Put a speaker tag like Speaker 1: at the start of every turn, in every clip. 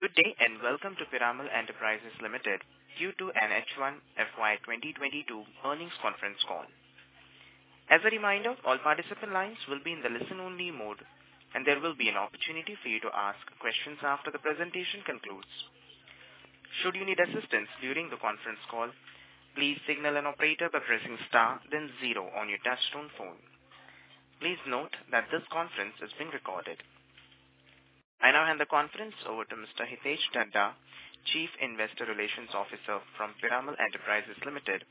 Speaker 1: Good day, and welcome to Piramal Enterprises Limited Q2 and H1 FY 2022 Earnings Conference Call. As a reminder, all participant lines will be in the listen-only mode, and there will be an opportunity for you to ask questions after the presentation concludes. Should you need assistance during the conference call, please signal an operator by pressing star then zero on your touchtone phone. Please note that this conference is being recorded. I now hand the conference over to Mr. Hitesh Dhaddha, Chief Investor Relations Officer from Piramal Enterprises Limited.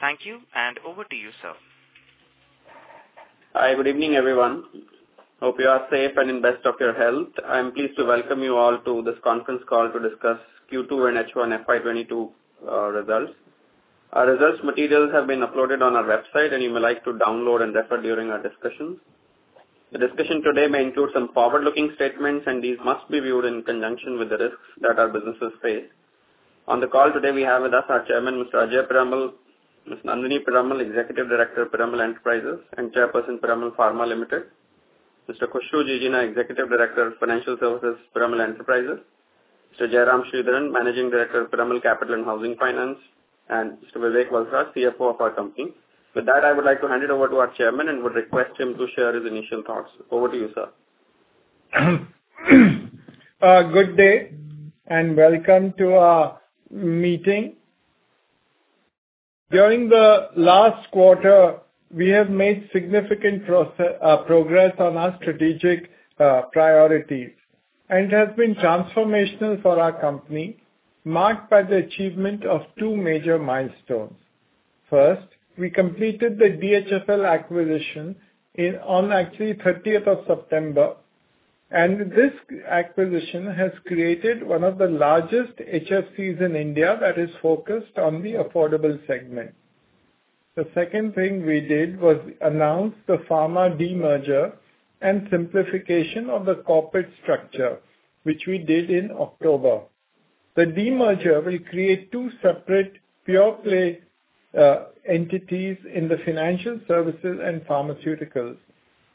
Speaker 1: Thank you, and over to you, sir.
Speaker 2: Hi. Good evening, everyone. Hope you are safe and in best of your health. I am pleased to welcome you all to this conference call to discuss Q2 and H1 FY 2022 results. Our results materials have been uploaded on our website, and you may like to download and refer during our discussions. The discussion today may include some forward-looking statements, and these must be viewed in conjunction with the risks that our businesses face. On the call today we have with us our Chairman, Mr. Ajay Piramal, Ms. Nandini Piramal, Executive Director of Piramal Enterprises and Chairperson, Piramal Pharma Limited. Mr. Khushru Jijina, Executive Director of Financial Services, Piramal Enterprises. Mr. Jairam Sridharan, Managing Director of Piramal Capital and Housing Finance. Mr. Vivek Valsaraj, CFO of our company. With that, I would like to hand it over to our Chairman and would request him to share his initial thoughts. Over to you, sir.
Speaker 3: Good day, welcome to our meeting. During the last quarter, we have made significant progress on our strategic priorities, and it has been transformational for our company, marked by the achievement of two major milestones. First, we completed the DHFL acquisition on actually 30th of September, and this acquisition has created one of the largest HFCs in India that is focused on the affordable segment. The second thing we did was announce the pharma demerger and simplification of the corporate structure, which we did in October. The demerger will create two separate pure play entities in the financial services and pharmaceuticals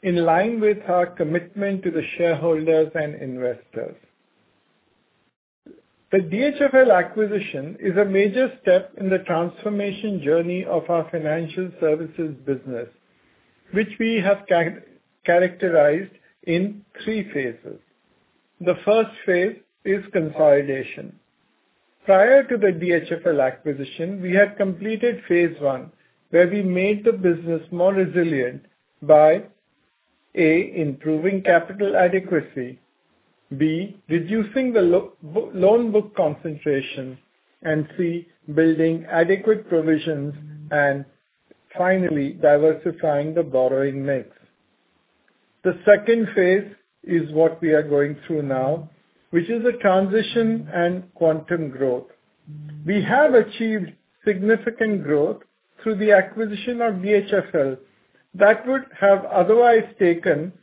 Speaker 3: in line with our commitment to the shareholders and investors. The DHFL acquisition is a major step in the transformation journey of our financial services business, which we have characterized in three phases. The first phase is consolidation. Prior to the DHFL acquisition, we had completed phase I, where we made the business more resilient by, A, improving capital adequacy. B, reducing the loan book concentration. C, building adequate provisions and finally diversifying the borrowing mix. The phase II is what we are going through now, which is a transition and quantum growth. We have achieved significant growth through the acquisition of DHFL that would have otherwise taken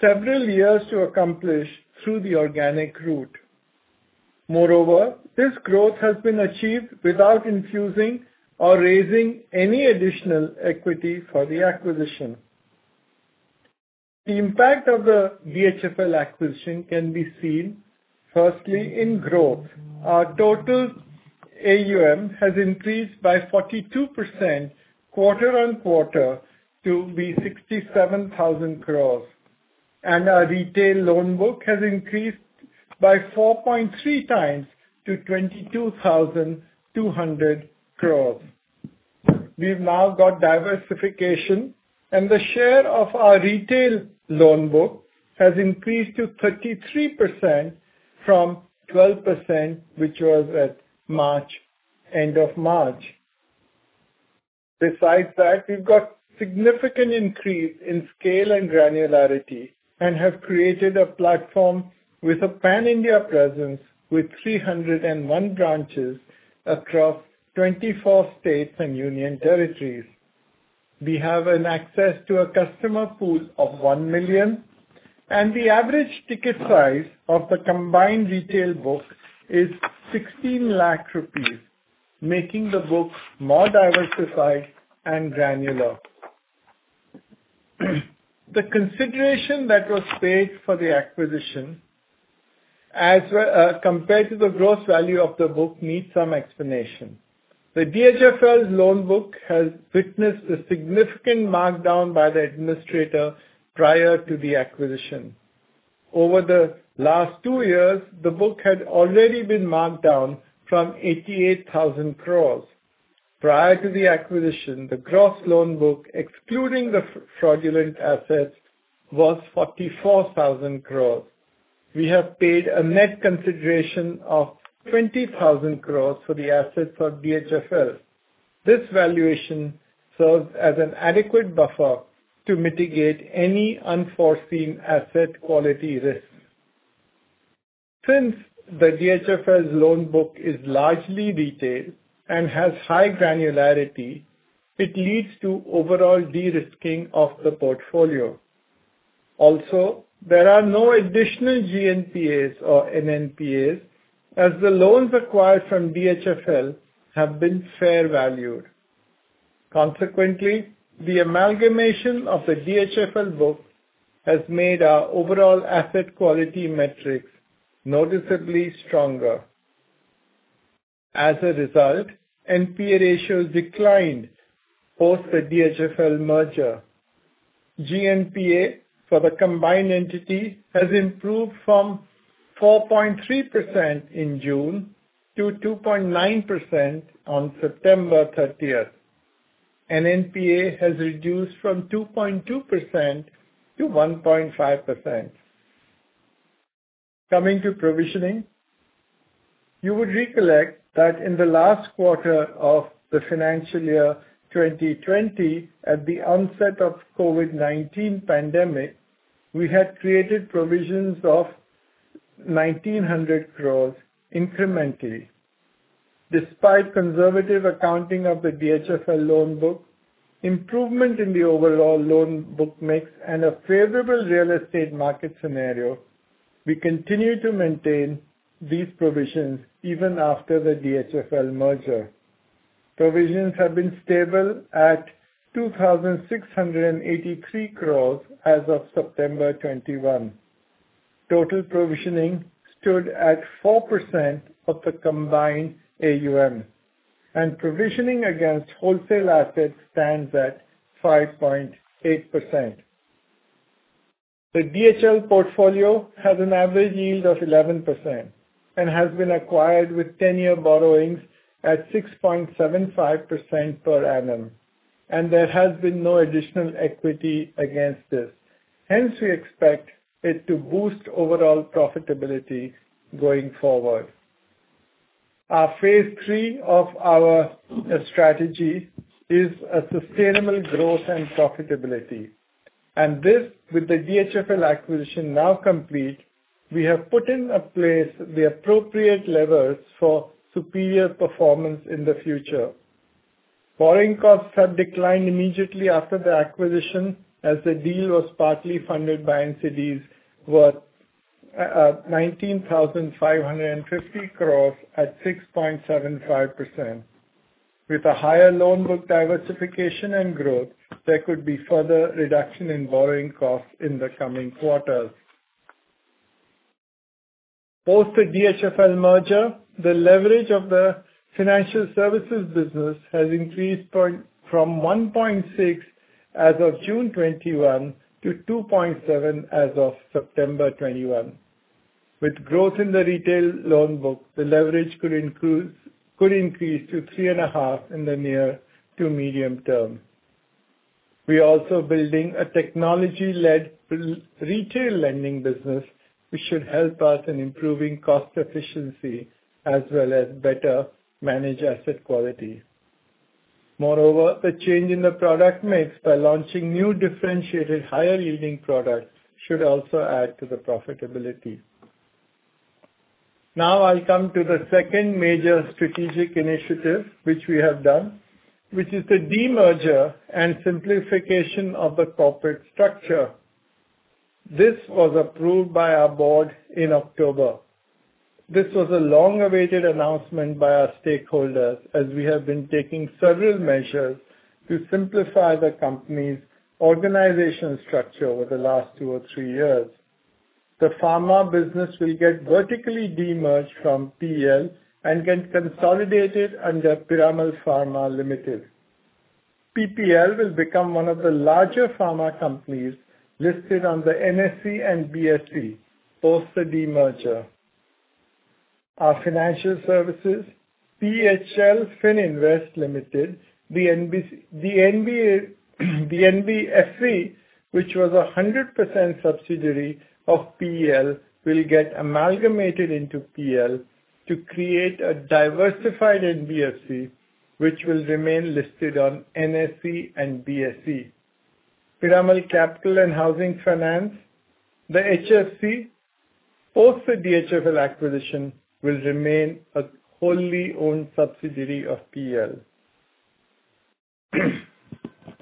Speaker 3: several years to accomplish through the organic route. Moreover, this growth has been achieved without infusing or raising any additional equity for the acquisition. The impact of the DHFL acquisition can be seen firstly in growth. Our total AUM has increased by 42% quarter-on-quarter to ₹67,000 crores. Our retail loan book has increased by 4.3x to ₹22,200 crores. We've now got diversification, and the share of our retail loan book has increased to 33% from 12%, which was at the end of March. Besides that, we've got significant increase in scale and granularity and have created a platform with a pan-India presence with 301 branches across 24 states and union territories. We have access to a customer pool of 1 million, and the average ticket size of the combined retail book is 16 lakh rupees, making the books more diversified and granular. The consideration that was paid for the acquisition as compared to the gross value of the book needs some explanation. The DHFL loan book has witnessed a significant markdown by the administrator prior to the acquisition. Over the last two years, the book had already been marked down from 88,000 crore. Prior to the acquisition, the gross loan book, excluding the fraudulent assets, was 44,000 crore. We have paid a net consideration of 20,000 crore for the assets of DHFL. This valuation serves as an adequate buffer to mitigate any unforeseen asset quality risk. Since the DHFL's loan book is largely retailed and has high granularity, it leads to overall de-risking of the portfolio. Also, there are no additional GNPA or NNPA as the loans acquired from DHFL have been fair valued. Consequently, the amalgamation of the DHFL book has made our overall asset quality metrics noticeably stronger. As a result, NPA ratios declined post the DHFL merger. GNPA for the combined entity has improved from 4.3% in June to 2.9% on September thirtieth. NPA has reduced from 2.2% to 1.5%. Coming to provisioning, you would recollect that in the last quarter of the financial year 2020, at the onset of COVID-19 pandemic, we had created provisions of 1,900 crore incrementally. Despite conservative accounting of the DHFL loan book, improvement in the overall loan book mix, and a favourable real estate market scenario, we continue to maintain these provisions even after the DHFL merger. Provisions have been stable at 2,683 crore as of September 2021. Total provisioning stood at 4% of the combined AUM and provisioning against wholesale assets stands at 5.8%. The DHFL portfolio has an average yield of 11% and has been acquired with 10-year borrowings at 6.75% per annum and there has been no additional equity against this. Hence, we expect it to boost overall profitability going forward. Our phase III of our strategy is a sustainable growth and profitability. This, with the DHFL acquisition now complete, we have put in place the appropriate levers for superior performance in the future. Borrowing costs have declined immediately after the acquisition, as the deal was partly funded by NCDs worth INR 19,550 crores at 6.75%. With a higher loan book diversification and growth, there could be further reduction in borrowing costs in the coming quarters. Post the DHFL merger, the leverage of the financial services business has increased from 1.6 as of June 2021 to 2.7 as of September 2021. With growth in the retail loan book, the leverage could increase to 3.5 in the near to medium term. We are also building a technology-led retail lending business which should help us in improving cost efficiency as well as better manage asset quality. Moreover, the change in the product mix by launching new differentiated higher yielding products should also add to the profitability. Now I'll come to the second major strategic initiative which we have done, which is the demerger and simplification of the corporate structure. This was approved by our board in October. This was a long-awaited announcement by our stakeholders as we have been taking several measures to simplify the company's organizational structure over the last two or three years. The Pharma business will get vertically demerged from PEL and get consolidated under Piramal Pharma Limited. PPL will become one of the larger pharma companies listed on the NSE and BSE post the demerger. Our financial services, PHL Fininvest Private Limited, the NBFC, which was a 100% subsidiary of PEL, will get amalgamated into PEL to create a diversified NBFC, which will remain listed on NSE and BSE. Piramal Capital and Housing Finance, the HFC, post the DHFL acquisition, will remain a wholly owned subsidiary of PEL.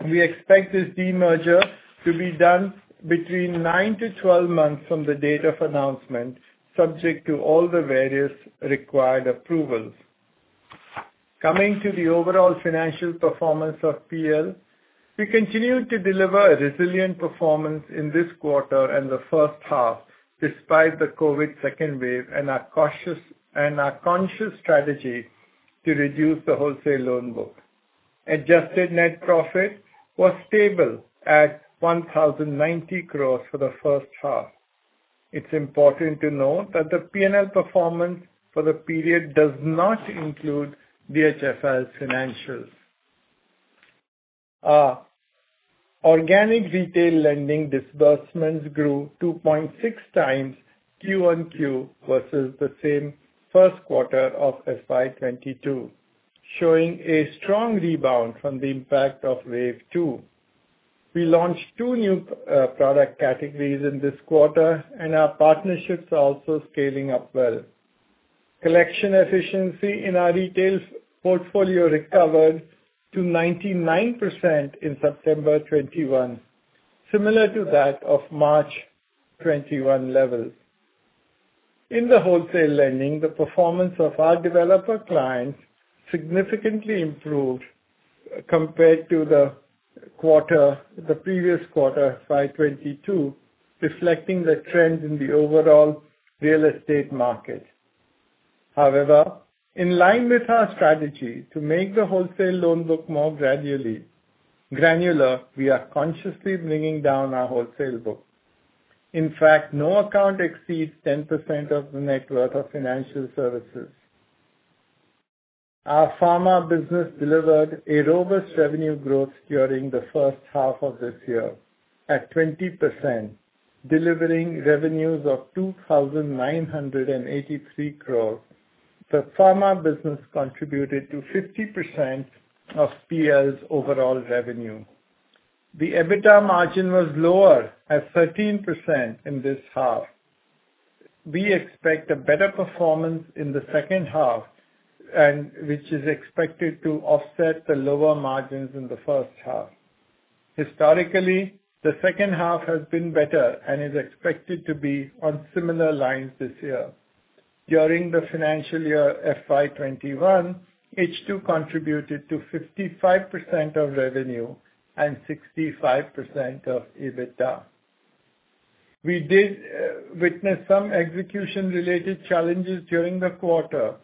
Speaker 3: We expect this demerger to be done between nine-12 months from the date of announcement, subject to all the various required approvals. Coming to the overall financial performance of PEL, we continue to deliver a resilient performance in this quarter and the first half despite the COVID second wave and our conscious strategy to reduce the wholesale loan book. Adjusted net profit was stable at 1,090 crores for the first half. It's important to note that the P&L performance for the period does not include DHFL's financials. Organic retail lending disbursements grew 2.6x Q-on-Q versus the same first quarter of FY 2022, showing a strong rebound from the impact of wave two. We launched two new product categories in this quarter and our partnerships are also scaling up well. Collection efficiency in our retail portfolio recovered to 99% in September 2021, similar to that of March 2021 level. In the wholesale lending, the performance of our developer clients significantly improved compared to the previous quarter FY 2022, reflecting the trend in the overall real estate market. However, in line with our strategy to make the wholesale loan book more granular, we are consciously bringing down our wholesale book. In fact, no account exceeds 10% of the net worth of financial services. Our Pharma business delivered a robust revenue growth during the first half of this year at 20%, delivering revenues of 2,983 crore. The Pharma business contributed to 50% of PEL's overall revenue. The EBITDA margin was lower at 13% in this half. We expect a better performance in the second half and which is expected to offset the lower margins in the first half. Historically, the second half has been better and is expected to be on similar lines this year. During the financial year FY 2021, H2 contributed to 55% of revenue and 65% of EBITDA. We did witness some execution-related challenges during the quarter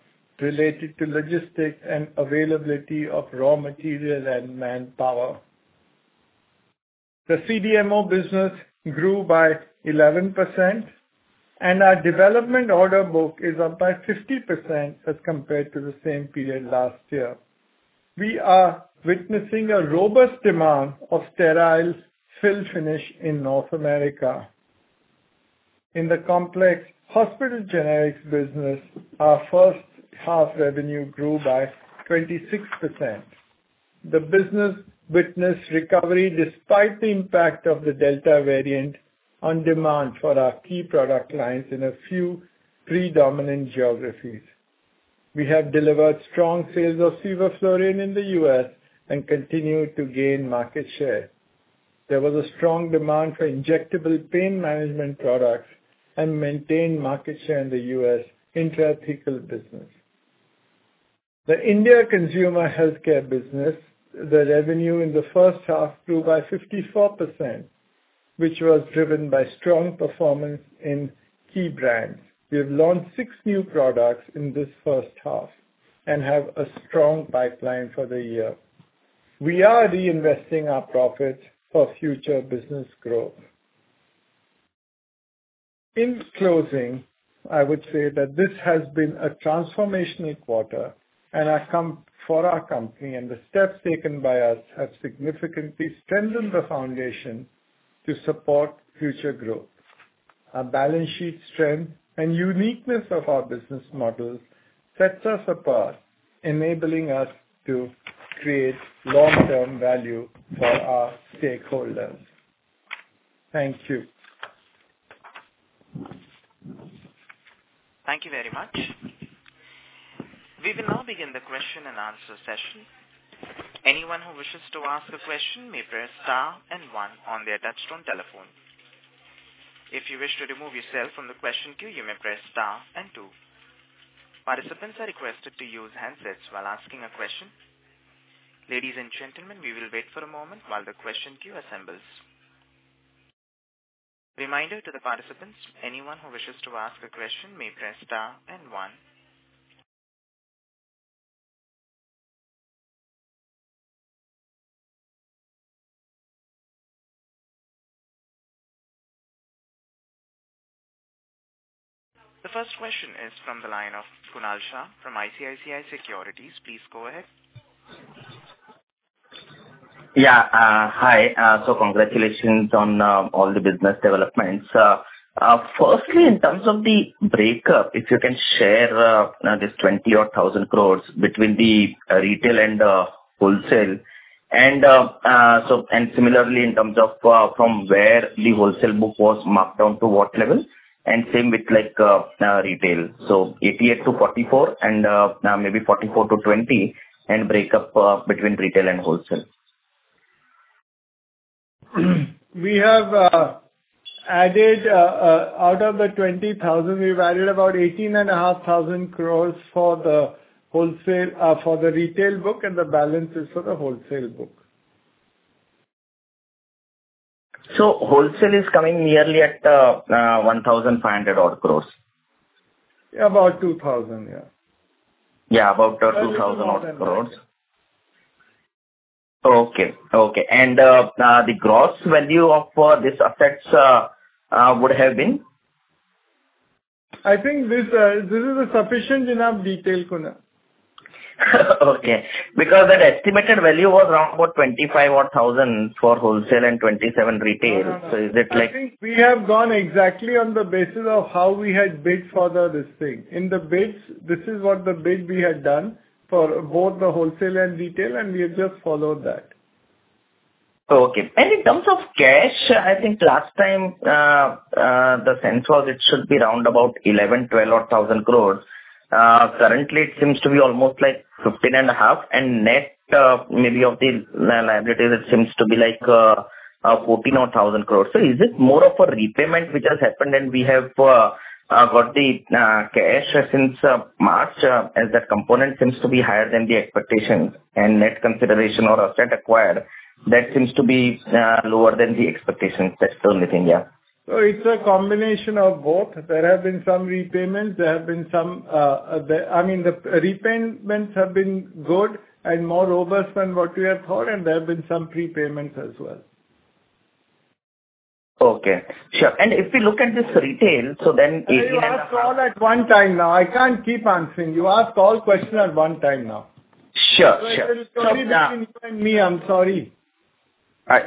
Speaker 3: related to logistics and availability of raw materials and manpower. The CDMO business grew by 11% and our development order book is up by 50% as compared to the same period last year. We are witnessing a robust demand of sterile fill finish in North America. In the complex hospital generics business, our first half revenue grew by 26%. The business witnessed recovery despite the impact of the Delta variant on demand for our key product lines in a few predominant geographies. We have delivered strong sales of sevoflurane in the U.S. and continue to gain market share. There was a strong demand for injectable pain management products and maintained market share in the U.S. intrathecal business. The India Consumer Healthcare business, the revenue in the first half grew by 54%, which was driven by strong performance in key brands. We have launched six new products in this first half and have a strong pipeline for the year. We are reinvesting our profits for future business growth. In closing, I would say that this has been a transformational quarter, and for our company, and the steps taken by us have significantly strengthened the foundation to support future growth. Our balance sheet strength and uniqueness of our business model sets us apart, enabling us to create long-term value for our stakeholders. Thank you.
Speaker 1: Thank you very much. We will now begin the question-and-answer session. Anyone who wishes to ask a question may press star and one on their touch-tone telephone. If you wish to remove yourself from the question queue, you may press star and two. Participants are requested to use handsets while asking a question. Ladies and gentlemen, we will wait for a moment while the question queue assembles. Reminder to the participants, anyone who wishes to ask a question may press star and one. The first question is from the line of Kunal Shah from ICICI Securities. Please go ahead.
Speaker 4: Yeah. Hi. Congratulations on all the business developments. Firstly, in terms of the breakup, if you can share this 20,000-odd crore between the retail and wholesale. Similarly, in terms of from where the wholesale book was marked down to what level, and same with, like, retail. 88-44 and maybe 44-20, and breakup between retail and wholesale.
Speaker 3: We have added, out of the 20,000 crore, we've added about 18,500 crore for the retail book and the balance is for the wholesale book.
Speaker 4: Wholesale is coming nearly at 1,500-odd crores.
Speaker 3: About 2000, yeah.
Speaker 4: Yeah, about 2,000 odd crores. Okay. The gross value of these assets would have been?
Speaker 3: I think this is a sufficient enough detail, Kunal.
Speaker 4: Okay. That estimated value was around about 25,000-odd for wholesale and 27,000 retail.
Speaker 3: No.
Speaker 4: Is it like?
Speaker 3: I think we have gone exactly on the basis of how we had bid for this thing. In the bids, this is what the bid we had done for both the wholesale and retail, and we have just followed that.
Speaker 4: Okay. In terms of cash, I think last time the sense was it should be around about 11,000-12,000 crore. Currently it seems to be almost like 15,500 crore. Net, maybe of the liability, that seems to be like 14,000 crore. Is it more of a repayment which has happened and we have got the cash since March, as that component seems to be higher than the expectations and net consideration or asset acquired that seems to be lower than the expectations that's still within, yeah.
Speaker 3: It's a combination of both. There have been some repayments. I mean, the repayments have been good and more robust than what we had thought, and there have been some prepayments as well.
Speaker 4: Okay. Sure. If we look at this retail, so then.
Speaker 3: You ask all at one time now. I can't keep answering. You ask all questions at one time now.
Speaker 4: Sure. Sure.
Speaker 3: There is nobody between you and me, I'm sorry.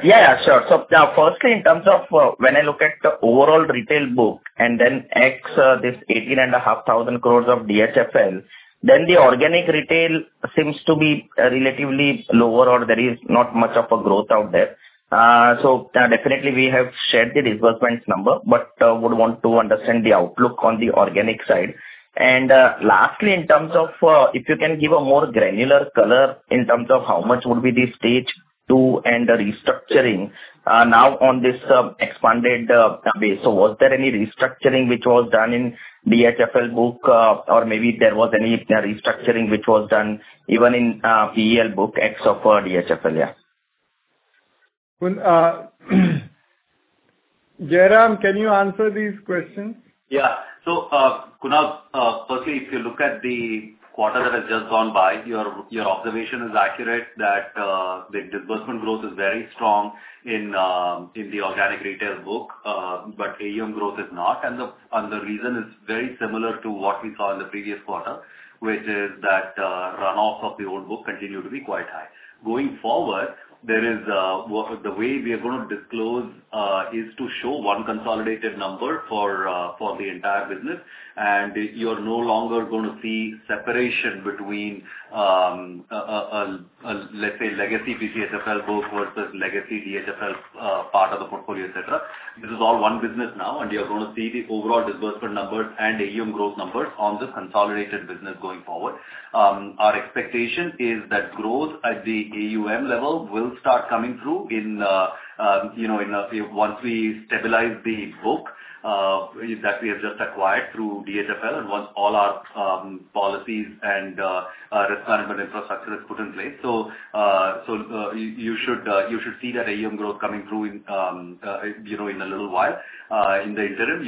Speaker 4: Yeah, sure. Now firstly, in terms of when I look at the overall retail book and then ex this 18,500 crore of DHFL, then the organic retail seems to be relatively lower or there is not much of a growth out there. Definitely we have shared the disbursements number, but would want to understand the outlook on the organic side. Lastly, in terms of if you can give a more granular color in terms of how much would be the stage two and the restructuring now on this expanded base. Was there any restructuring which was done in DHFL book, or maybe there was any restructuring which was done even in PEL book ex of DHFL.
Speaker 3: Well, Jairam, can you answer these questions?
Speaker 5: Kunal, firstly, if you look at the quarter that has just gone by, your observation is accurate that the disbursement growth is very strong in the organic retail book, but AUM growth is not. The reason is very similar to what we saw in the previous quarter, which is that runoff of the old book continued to be quite high. Going forward, the way we are gonna disclose is to show one consolidated number for the entire business. You're no longer gonna see separation between, let's say, legacy BCFL book versus legacy DHFL part of the portfolio, et cetera. This is all one business now, and you're gonna see the overall disbursement numbers and AUM growth numbers on the consolidated business going forward. Our expectation is that growth at the AUM level will start coming through in, you know, once we stabilize the book that we have just acquired through DHFL and once all our policies and risk management infrastructure is put in place. So, you should see that AUM growth coming through in, you know, in a little while. In the interim,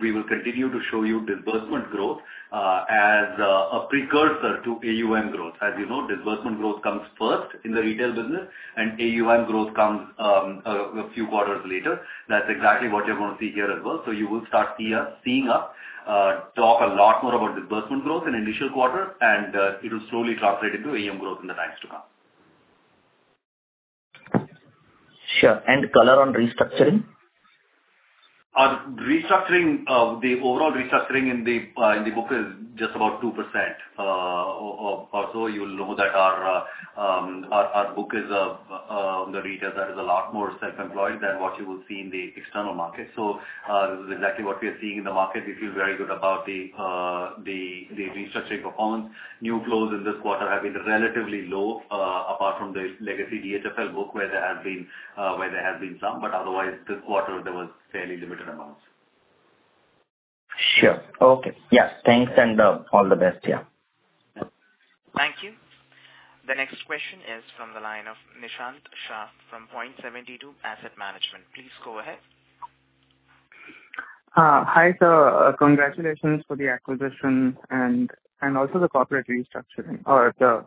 Speaker 5: we will continue to show you disbursement growth as a precursor to AUM growth. As you know, disbursement growth comes first in the retail business and AUM growth comes a few quarters later. That's exactly what you're gonna see here as well. You will start seeing us talk a lot more about disbursement growth in initial quarters, and it'll slowly translate into AUM growth in the times to come.
Speaker 4: Sure. Color on restructuring?
Speaker 5: Our restructuring, the overall restructuring in the book is just about 2%. Also you'll know that our book is the retail that is a lot more self-employed than what you would see in the external market. This is exactly what we are seeing in the market. We feel very good about the restructuring performance. New flows in this quarter have been relatively low, apart from the legacy DHFL book where there have been some, but otherwise this quarter there was fairly limited amounts.
Speaker 4: Sure. Okay. Yeah. Thanks and, all the best. Yeah.
Speaker 1: Thank you. The next question is from the line of Nishant Shah from Point72 Asset Management. Please go ahead.
Speaker 6: Hi, sir. Congratulations for the acquisition and also the corporate restructuring or the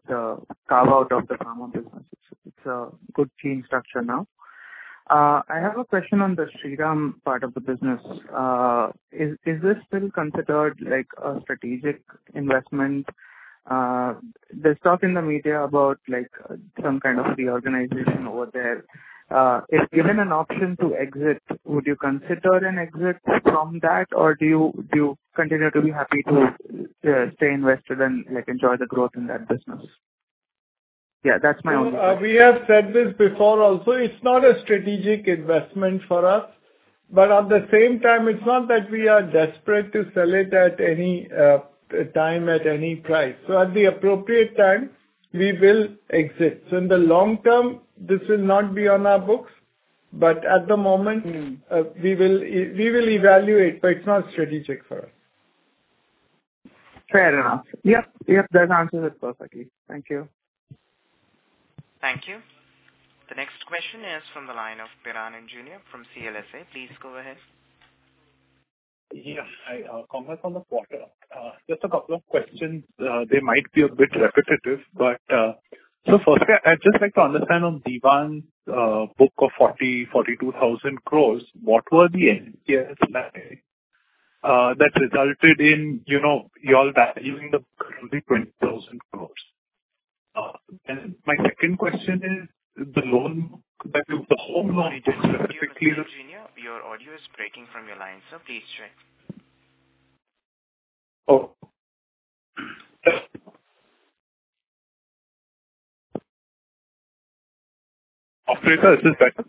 Speaker 6: carve-out of the Pharma business. It's a good clean structure now. I have a question on the Shriram part of the business. Is this still considered like a strategic investment? There's talk in the media about like some kind of reorganization over there. If given an option to exit, would you consider an exit from that, or do you continue to be happy to stay invested and, like, enjoy the growth in that business? Yeah, that's my only question.
Speaker 3: We have said this before also, it's not a strategic investment for us, but at the same time it's not that we are desperate to sell it at any time, at any price. At the appropriate time we will exit. In the long term this will not be on our books, but at the moment.
Speaker 6: Mm-hmm.
Speaker 3: We will evaluate, but it's not strategic for us.
Speaker 6: Fair enough. Yep. Yep, that answers it perfectly. Thank you.
Speaker 1: Thank you. The next question is from the line of Piran Engineer from CLSA. Please go ahead.
Speaker 7: Yes. Hi. Congrats on the quarter. Just a couple of questions. They might be a bit repetitive, but, firstly I'd just like to understand on Dewan Housing Finance Corporation Limited's book of 42,000 crore, what were the NPAs like that resulted in, you know, y'all valuing the book only 20,000 crore? And my second question is the loan book, the home loan book specifically-
Speaker 1: Piran Engineer, your audio is breaking from your line, sir. Please check.
Speaker 7: Oh. Operator, is this better?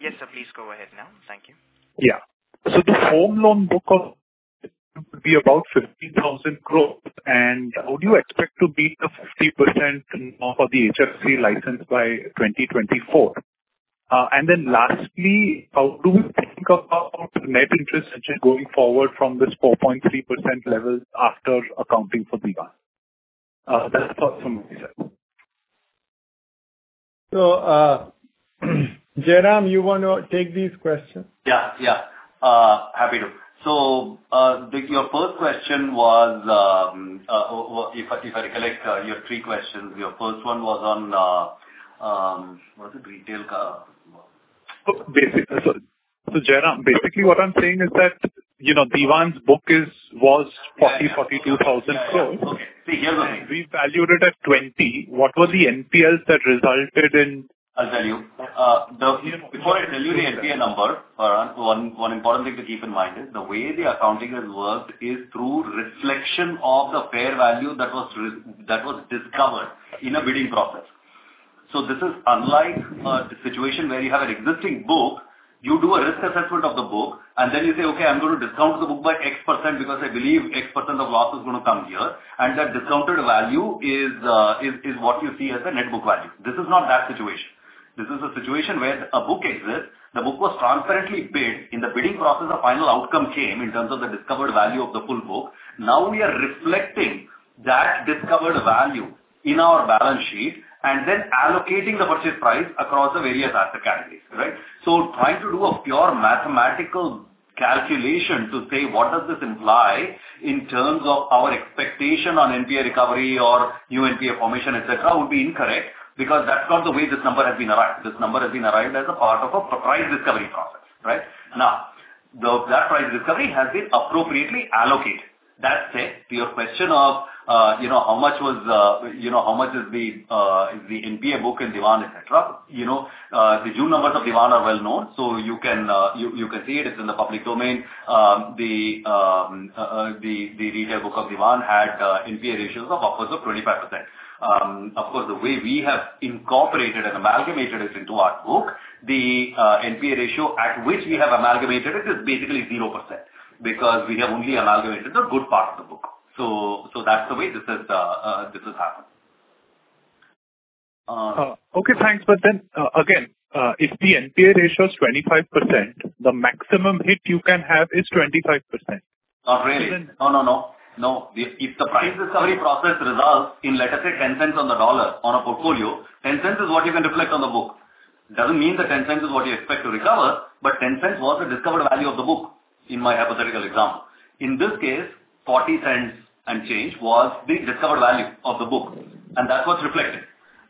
Speaker 1: Yes, sir. Please go ahead now. Thank you.
Speaker 7: The home loan book would be about 50,000 crore. Would you expect to meet the 50% for the HFC license by 2024? Lastly, how do you think about net interest going forward from this 4.3% level after accounting for Dewan Housing Finance Corporation Limited? That's all from myself.
Speaker 3: Jairam, you wanna take these questions?
Speaker 5: Yeah, yeah. Happy to. Your first question was, if I recollect, you have three questions. Your first one was on, what's it? Retail, what?
Speaker 7: Jairam, basically what I'm saying is that, you know, Dewan Housing Finance Corporation Limited's book was 42,000 crore.
Speaker 5: Yeah, yeah. Okay. See, here's the thing.
Speaker 7: We valued it at 20. What were the NPAs that resulted in-
Speaker 5: I'll tell you. Before I tell you the NPA number, Piran, one important thing to keep in mind is the way the accounting has worked is through reflection of the fair value that was discovered in a bidding process. This is unlike the situation where you have an existing book, you do a risk assessment of the book, and then you say, "Okay, I'm gonna discount the book by X% because I believe X% of loss is gonna come here." That discounted value is what you see as a net book value. This is not that situation. This is a situation where a book exists. The book was transparently bid. In the bidding process, the final outcome came in terms of the discovered value of the full book. Now we are reflecting that discovered value in our balance sheet and then allocating the purchase price across the various asset categories. Right? Trying to do a pure mathematical calculation to say what does this imply in terms of our expectation on NPA recovery or new NPA formation, et cetera, would be incorrect because that's not the way this number has been arrived. This number has been arrived as a part of a price discovery process, right? Now, that price discovery has been appropriately allocated. That said to your question of, you know, how much was, you know, how much is the NPA book in Dewan Housing Finance Corporation Limited, et cetera. You know, the June numbers of Dewan Housing Finance Corporation Limited are well-known, so you can see it. It's in the public domain. The retail book of Dewan Housing Finance Corporation Limited had NPA ratios of upwards of 25%. Of course, the way we have incorporated and amalgamated it into our book, the NPA ratio at which we have amalgamated it is basically 0% because we have only amalgamated the good part of the book. That's the way this has happened.
Speaker 7: Okay, thanks. Again, if the NPA ratio is 25%, the maximum hit you can have is 25%.
Speaker 5: Not really.
Speaker 7: Then-
Speaker 5: No. If the price discovery process results in, let us say, $0.10 on the dollar on a portfolio, $0.10 is what you can reflect on the book. It doesn't mean that $0.10 is what you expect to recover, but $0.10 was the discovered value of the book in my hypothetical example. In this case, $0.40 and change was the discovered value of the book, and that's what's reflected.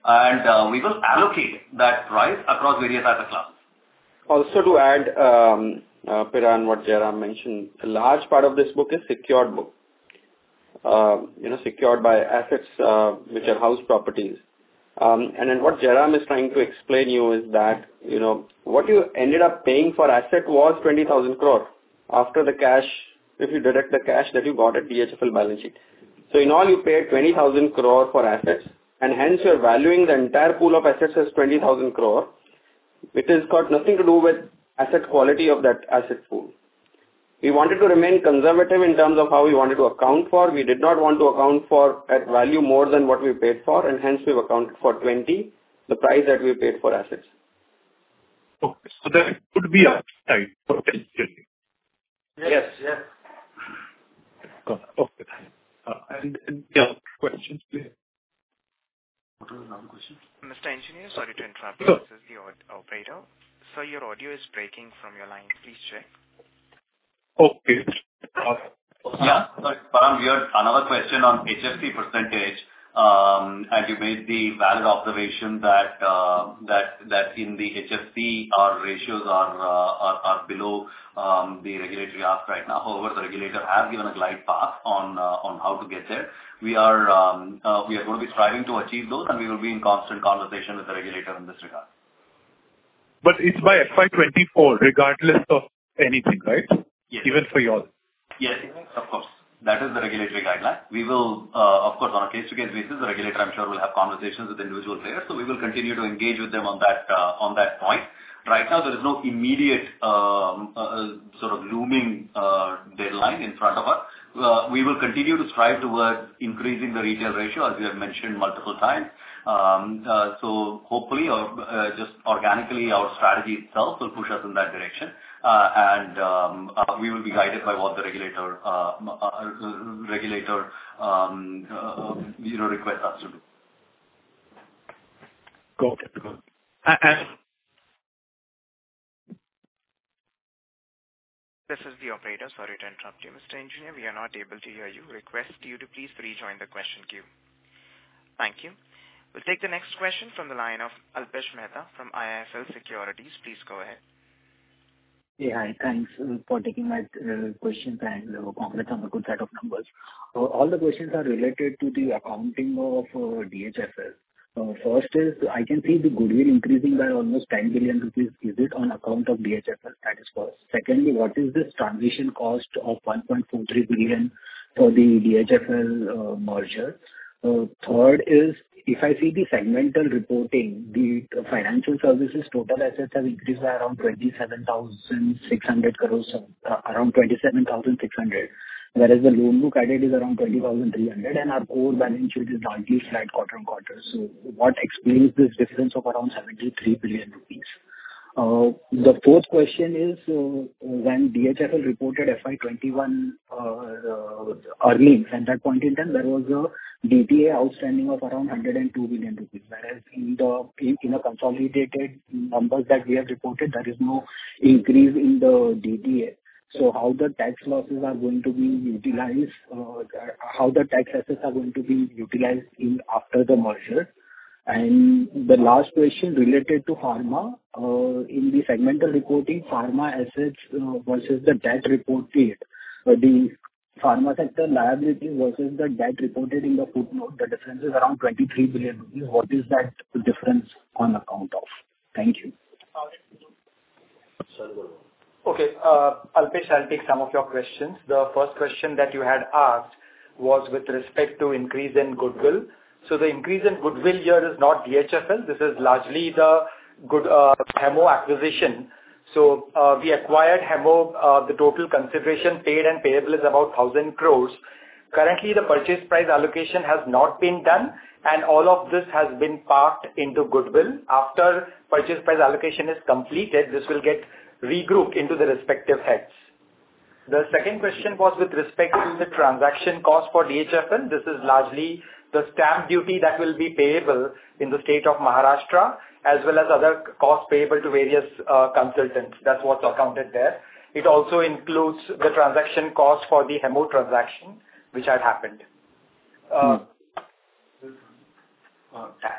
Speaker 5: We will allocate that price across various asset classes.
Speaker 2: Also, to add, Piran, what Jairam mentioned, a large part of this book is secured book. You know, secured by assets, which are house properties. What Jairam is trying to explain to you is that, you know, what you ended up paying for asset was 20,000 crore after the cash, if you deduct the cash that you bought at DHFL balance sheet. In all, you paid 20,000 crore for assets, and hence you're valuing the entire pool of assets as 20,000 crore, which has got nothing to do with asset quality of that asset pool. We wanted to remain conservative in terms of how we wanted to account for. We did not want to account for at value more than what we paid for, and hence we've accounted for 20, the price that we paid for assets.
Speaker 7: Okay. That could be upside potentially.
Speaker 5: Yes.
Speaker 2: Yes.
Speaker 7: Got it. Okay. And the other question, please.
Speaker 5: What was another question?
Speaker 1: Mr. Engineer, sorry to interrupt you.
Speaker 7: Sure.
Speaker 1: This is the operator. Sir, your audio is breaking from your line. Please check.
Speaker 7: Okay.
Speaker 5: Piran, you had another question on HFC percentage, and you made the valid observation that in the HFC our ratios are below the regulatory ask right now. However, the regulator has given a glide path on how to get there. We are gonna be striving to achieve those, and we will be in constant conversation with the regulator in this regard.
Speaker 7: It's by FY 2024 regardless of anything, right?
Speaker 5: Yes.
Speaker 7: Even for you all.
Speaker 5: Yes, of course. That is the regulatory guideline. We will, of course, on a case-to-case basis, the regulator, I'm sure, will have conversations with individual players, so we will continue to engage with them on that point. Right now, there is no immediate, sort of looming, deadline in front of us. We will continue to strive towards increasing the retail ratio, as we have mentioned multiple times. So hopefully or, just organically, our strategy itself will push us in that direction. And we will be guided by what the regulator, you know, requests us to do.
Speaker 7: Got it.
Speaker 1: This is the operator. Sorry to interrupt you, Mr. Engineer. We are not able to hear you. Request you to please rejoin the question queue. Thank you. We'll take the next question from the line of Alpesh Mehta from IIFL Securities. Please go ahead.
Speaker 8: Yeah. Hi. Thanks for taking my questions and congrats on the good set of numbers. All the questions are related to the accounting of DHFL. First is I can see the goodwill increasing by almost 10 billion rupees. Is it on account of DHFL status quo? Secondly, what is this transition cost of 1.43 billion for the DHFL merger? Third is if I see the segmental reporting, the financial services total assets have increased by around 27,600 crore. Whereas the loan book added is around 20,300 crore, and our core balance sheet is largely flat quarter-on-quarter. What explains this difference of around 73 billion rupees? The fourth question is, when DHFL reported FY 2021 earnings at that point in time, there was a DTA outstanding of around 102 billion rupees. Whereas in a consolidated numbers that we have reported, there is no increase in the DTA. So how the tax losses are going to be utilized, how the tax assets are going to be utilized after the merger? The last question related to pharma. In the segmental reporting, pharma assets versus the debt reported. The pharma sector liability versus the debt reported in the footnote, the difference is around 23 billion rupees. What is that difference on account of? Thank you.
Speaker 9: Okay. Alpesh, I'll take some of your questions. The first question that you had asked was with respect to increase in goodwill. The increase in goodwill here is not DHFL. This is largely the Hemmo Pharmaceuticals Private Limited acquisition. We acquired Hemmo Pharmaceuticals Private Limited. The total consideration paid and payable is about 1,000 crore. Currently, the purchase price allocation has not been done, and all of this has been parked into goodwill. After purchase price allocation is completed, this will get regrouped into the respective heads. The second question was with respect to the transaction cost for DHFL. This is largely the stamp duty that will be payable in the state of Maharashtra as well as other costs payable to various consultants. That's what's accounted there. It also includes the transaction costs for the Hemmo Pharmaceuticals Private Limited transaction which had happened.
Speaker 5: Tax.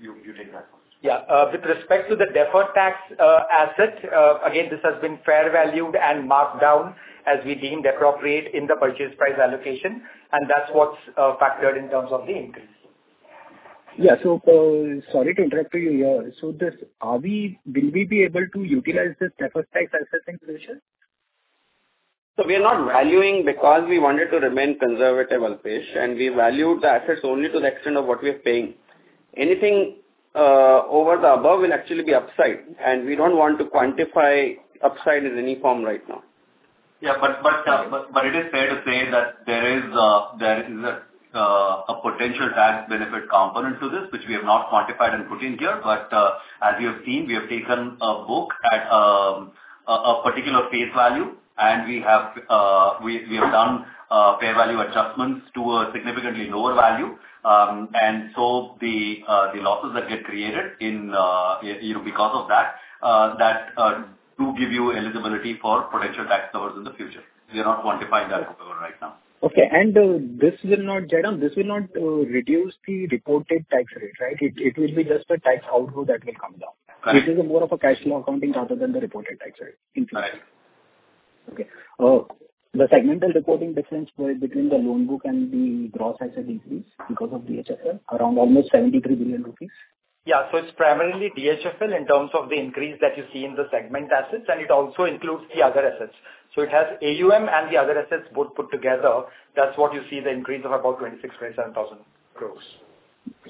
Speaker 5: You take that one.
Speaker 9: Yeah. With respect to the deferred tax asset, again, this has been fair valued and marked down as we deemed appropriate in the purchase price allocation, and that's what's factored in terms of the increase.
Speaker 8: Sorry to interrupt you here. Will we be able to utilize this deferred tax asset in future?
Speaker 9: We are not valuing because we wanted to remain conservative, Alpesh, and we valued the assets only to the extent of what we are paying. Anything over and above will actually be upside, and we don't want to quantify upside in any form right now.
Speaker 5: Yeah. It is fair to say that there is a potential tax benefit component to this, which we have not quantified and put in here. As you have seen, we have taken a book at a particular face value, and we have done fair value adjustments to a significantly lower value. The losses that get created, you know, because of that do give you eligibility for potential tax covers in the future. We are not quantifying that cover right now.
Speaker 8: Okay. This will not, Jairam, reduce the reported tax rate, right? It will be just the tax outgo that will come down.
Speaker 5: Right.
Speaker 8: This is more of a cash flow accounting rather than the reported tax rate in future.
Speaker 5: Right.
Speaker 8: Okay. The segmental reporting difference between the loan book and the gross asset increase because of DHFL, around almost 73 billion rupees.
Speaker 9: Yeah. It's primarily DHFL in terms of the increase that you see in the segment assets, and it also includes the other assets. It has AUM and the other assets both put together. That's what you see the increase of about 26,000 crore-27,000 crore.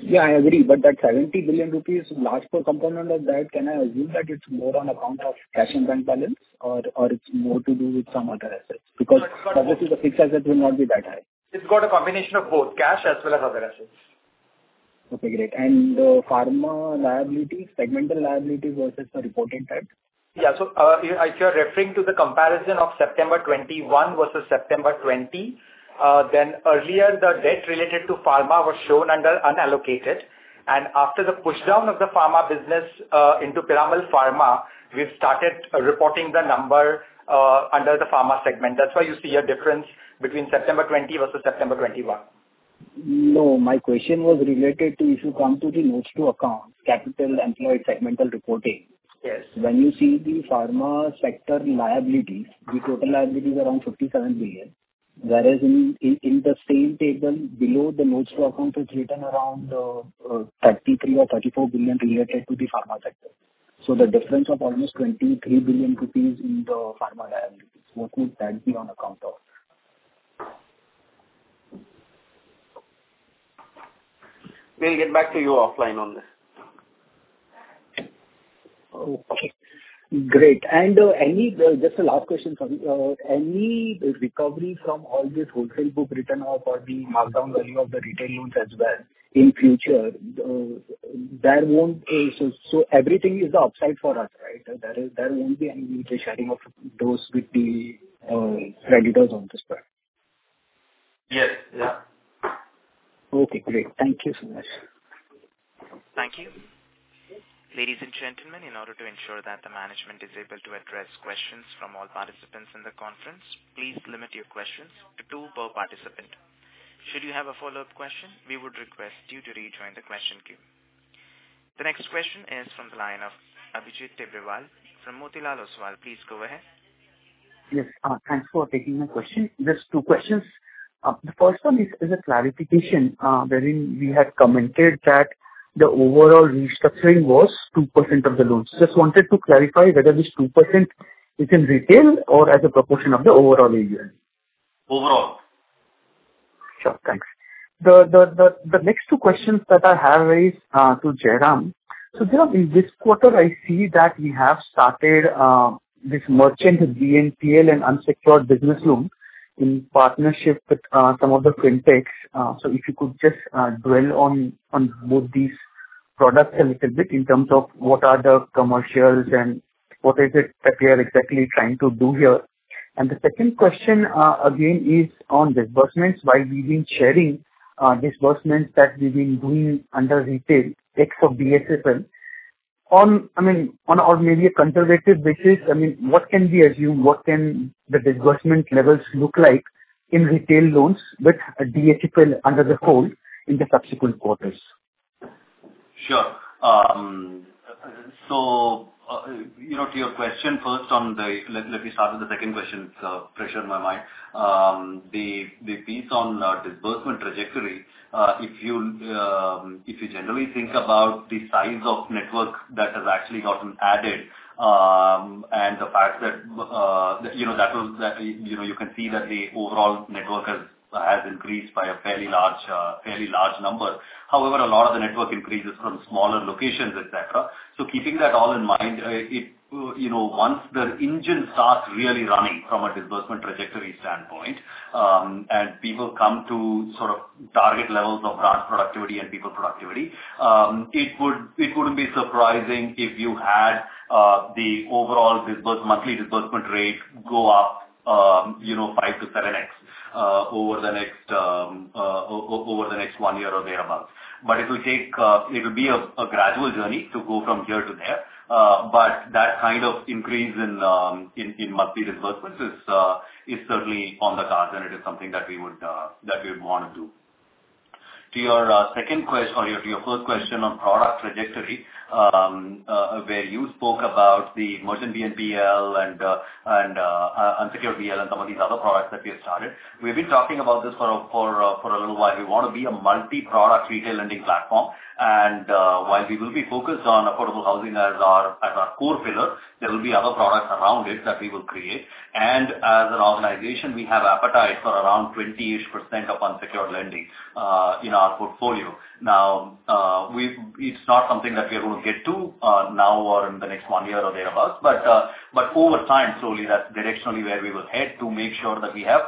Speaker 8: Yeah, I agree. That 70 billion rupees, large core component of that, can I assume that it's more on account of cash and bank balance or it's more to do with some other assets?
Speaker 9: No, it's got a-
Speaker 8: Because obviously the fixed asset will not be that high.
Speaker 9: It's got a combination of both cash as well as other assets.
Speaker 8: Okay, great. Pharma liability, segmental liability versus the reporting type.
Speaker 9: Yeah. If you're referring to the comparison of September 2021 versus September 2020, then earlier the debt related to pharma was shown under unallocated. After the push down of the Pharma business into Piramal Pharma, we've started reporting the number under the pharma segment. That's why you see a difference between September 2020 versus September 2021.
Speaker 8: No, my question was related to if you come to the notes to accounts, capital employed segmental reporting.
Speaker 9: Yes.
Speaker 8: When you see the Pharma sector liabilities, the total liability is around 57 billion. Whereas in the same table below the notes to account, it's written around 33 or 34 billion related to the Pharma sector. The difference of almost 23 billion rupees in the Pharma liabilities, what would that be on account of?
Speaker 9: We'll get back to you offline on this.
Speaker 8: Okay, great. Just a last question for you. Any recovery from all this wholesale book written off or the markdown value of the retail loans as well in future, there won't. So everything is upside for us, right? There won't be any risk sharing of those with the creditors on this part.
Speaker 5: Yes. Yeah.
Speaker 8: Okay, great. Thank you so much.
Speaker 9: Thank you.
Speaker 1: Ladies and gentlemen, in order to ensure that the management is able to address questions from all participants in the conference, please limit your questions to two per participant. Should you have a follow-up question, we would request you to rejoin the question queue. The next question is from the line of Abhijit Tibrewal from Motilal Oswal. Please go ahead.
Speaker 10: Yes. Thanks for taking my question. There's two questions. The first one is a clarification, wherein we had commented that the overall restructuring was 2% of the loans. Just wanted to clarify whether this 2% is in retail or as a proportion of the overall AUM.
Speaker 5: Overall.
Speaker 10: Sure. Thanks. The next two questions that I have is to Jairam. So, Jairam, in this quarter, I see that we have started this merchant BNPL and unsecured business loans in partnership with some of the fintech's. So if you could just dwell on both these products a little bit in terms of what are the commercials and what is it that we are exactly trying to do here. And the second question, again, is on disbursements. While we've been sharing disbursements that we've been doing under retail ex of DHFL, I mean, on a maybe a conservative basis, I mean, what can we assume, what can the disbursement levels look like in retail loans with DHFL under the fold in the subsequent quarters?
Speaker 5: Sure. You know, to your question first on the. Let me start with the second question. It's fresher in my mind. The piece on disbursement trajectory, if you generally think about the size of network that has actually gotten added, and the fact that you know that you can see that the overall network has increased by a fairly large number. However, a lot of the network increases from smaller locations, et cetera. Keeping that all in mind, you know, once the engine starts really running from a disbursement trajectory standpoint, and people come to sort of target levels of branch productivity and people productivity, it wouldn't be surprising if you had the overall monthly disbursement rate go up, you know, 5x-7x over the next one year or thereabout. It will be a gradual journey to go from here to there. That kind of increase in monthly disbursements is certainly on the cards, and it is something that we would wanna do. To your second question or your first question on product trajectory, where you spoke about the merchant BNPL and unsecured BL and some of these other products that we have started, we've been talking about this for a little while. We wanna be a multi-product retail lending platform, and while we will be focused on affordable housing as our core pillar, there will be other products around it that we will create. As an organization, we have appetite for around 20-ish% of unsecured lending in our portfolio. Now, we've It's not something that we're gonna get to, now or in the next one year or thereabout, but over time, slowly, that's directionally where we will head to make sure that we have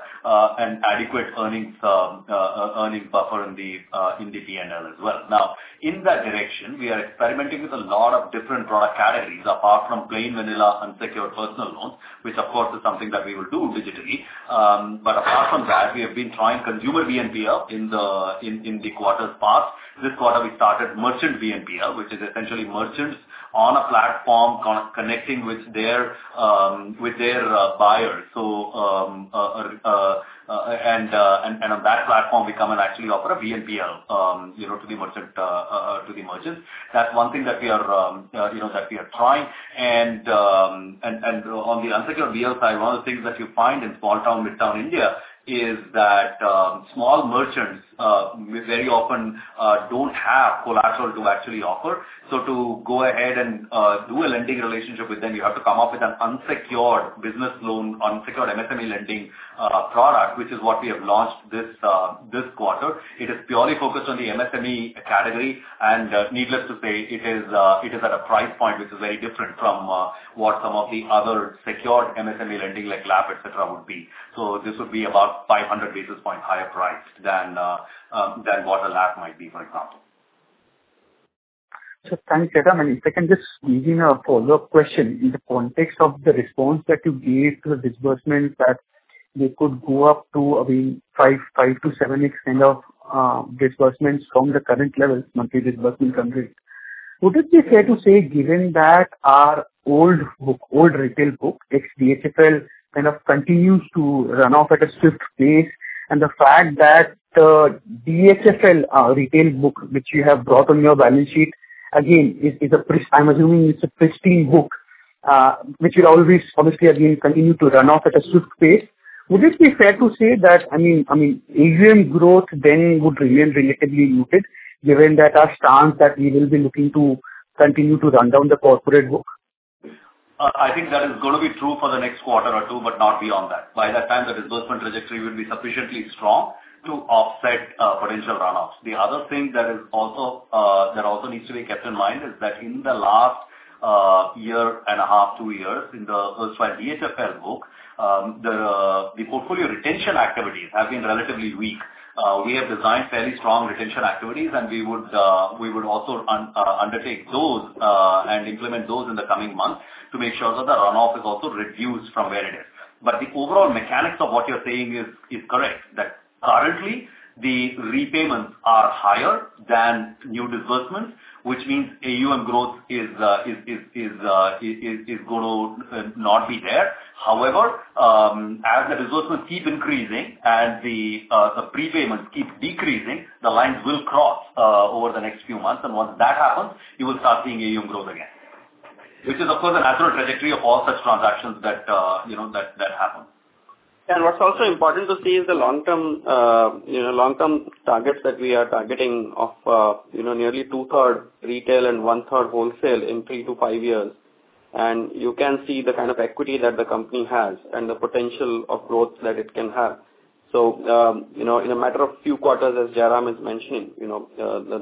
Speaker 5: an adequate earnings buffer in the P&L as well. Now, in that direction, we are experimenting with a lot of different product categories apart from plain vanilla unsecured personal loans, which of course is something that we will do digitally. Apart from that, we have been trying consumer BNPL in the past quarters. This quarter we started merchant BNPL, which is essentially merchants on a platform connecting with their buyers. On that platform, we come and actually offer a BNPL, you know, to the merchant, to the merchants. That's one thing that we are, you know, that we are trying. On the unsecured BL side, one of the things that you find in small town, midtown India is that small merchants very often don't have collateral to actually offer. To go ahead and do a lending relationship with them, you have to come up with an unsecured business loan, unsecured MSME lending product, which is what we have launched this quarter. It is purely focused on the MSME category. Needless to say, it is at a price point which is very different from what some of the other secured MSME lending like LAP, et cetera, would be. This would be about 500 basis points higher priced than what a LAP might be, for example.
Speaker 10: Thanks, Jairam. If I can just squeeze in a follow-up question. In the context of the response that you gave to the disbursements that they could go up to, I mean, 5x-7x kind of disbursements from the current levels, monthly disbursements run rate. Would it be fair to say, given that our old book, old retail book, ex-DHFL, kind of continues to run off at a swift pace, and the fact that the DHFL retail book, which you have brought on your balance sheet, again, is a pristine book, which will always obviously again continue to run off at a swift pace. Would it be fair to say that, I mean, AUM growth then would remain relatively muted given that our stance that we will be looking to continue to run down the corporate book?
Speaker 5: I think that is gonna be true for the next quarter or two, but not beyond that. By that time, the disbursement trajectory will be sufficiently strong to offset potential runoffs. The other thing that also needs to be kept in mind is that in the last year and a half, two years, in the erstwhile DHFL book, the portfolio retention activities have been relatively weak. We have designed fairly strong retention activities, and we would also undertake those and implement those in the coming months to make sure that the runoff is also reduced from where it is. The overall mechanics of what you're saying is correct, that currently the repayments are higher than new disbursements, which means AUM growth is gonna not be there. However, as the disbursements keep increasing and the prepayments keep decreasing, the lines will cross over the next few months. Once that happens, you will start seeing AUM growth again. Which is of course the natural trajectory of all such transactions that you know that happen.
Speaker 2: What's also important to see is the long-term, you know, long-term targets that we are targeting of, you know, nearly 2/3 retail and 1/3 wholesale in three to five years. You can see the kind of equity that the company has and the potential of growth that it can have. In a matter of few quarters, as Jairam is mentioning, you know,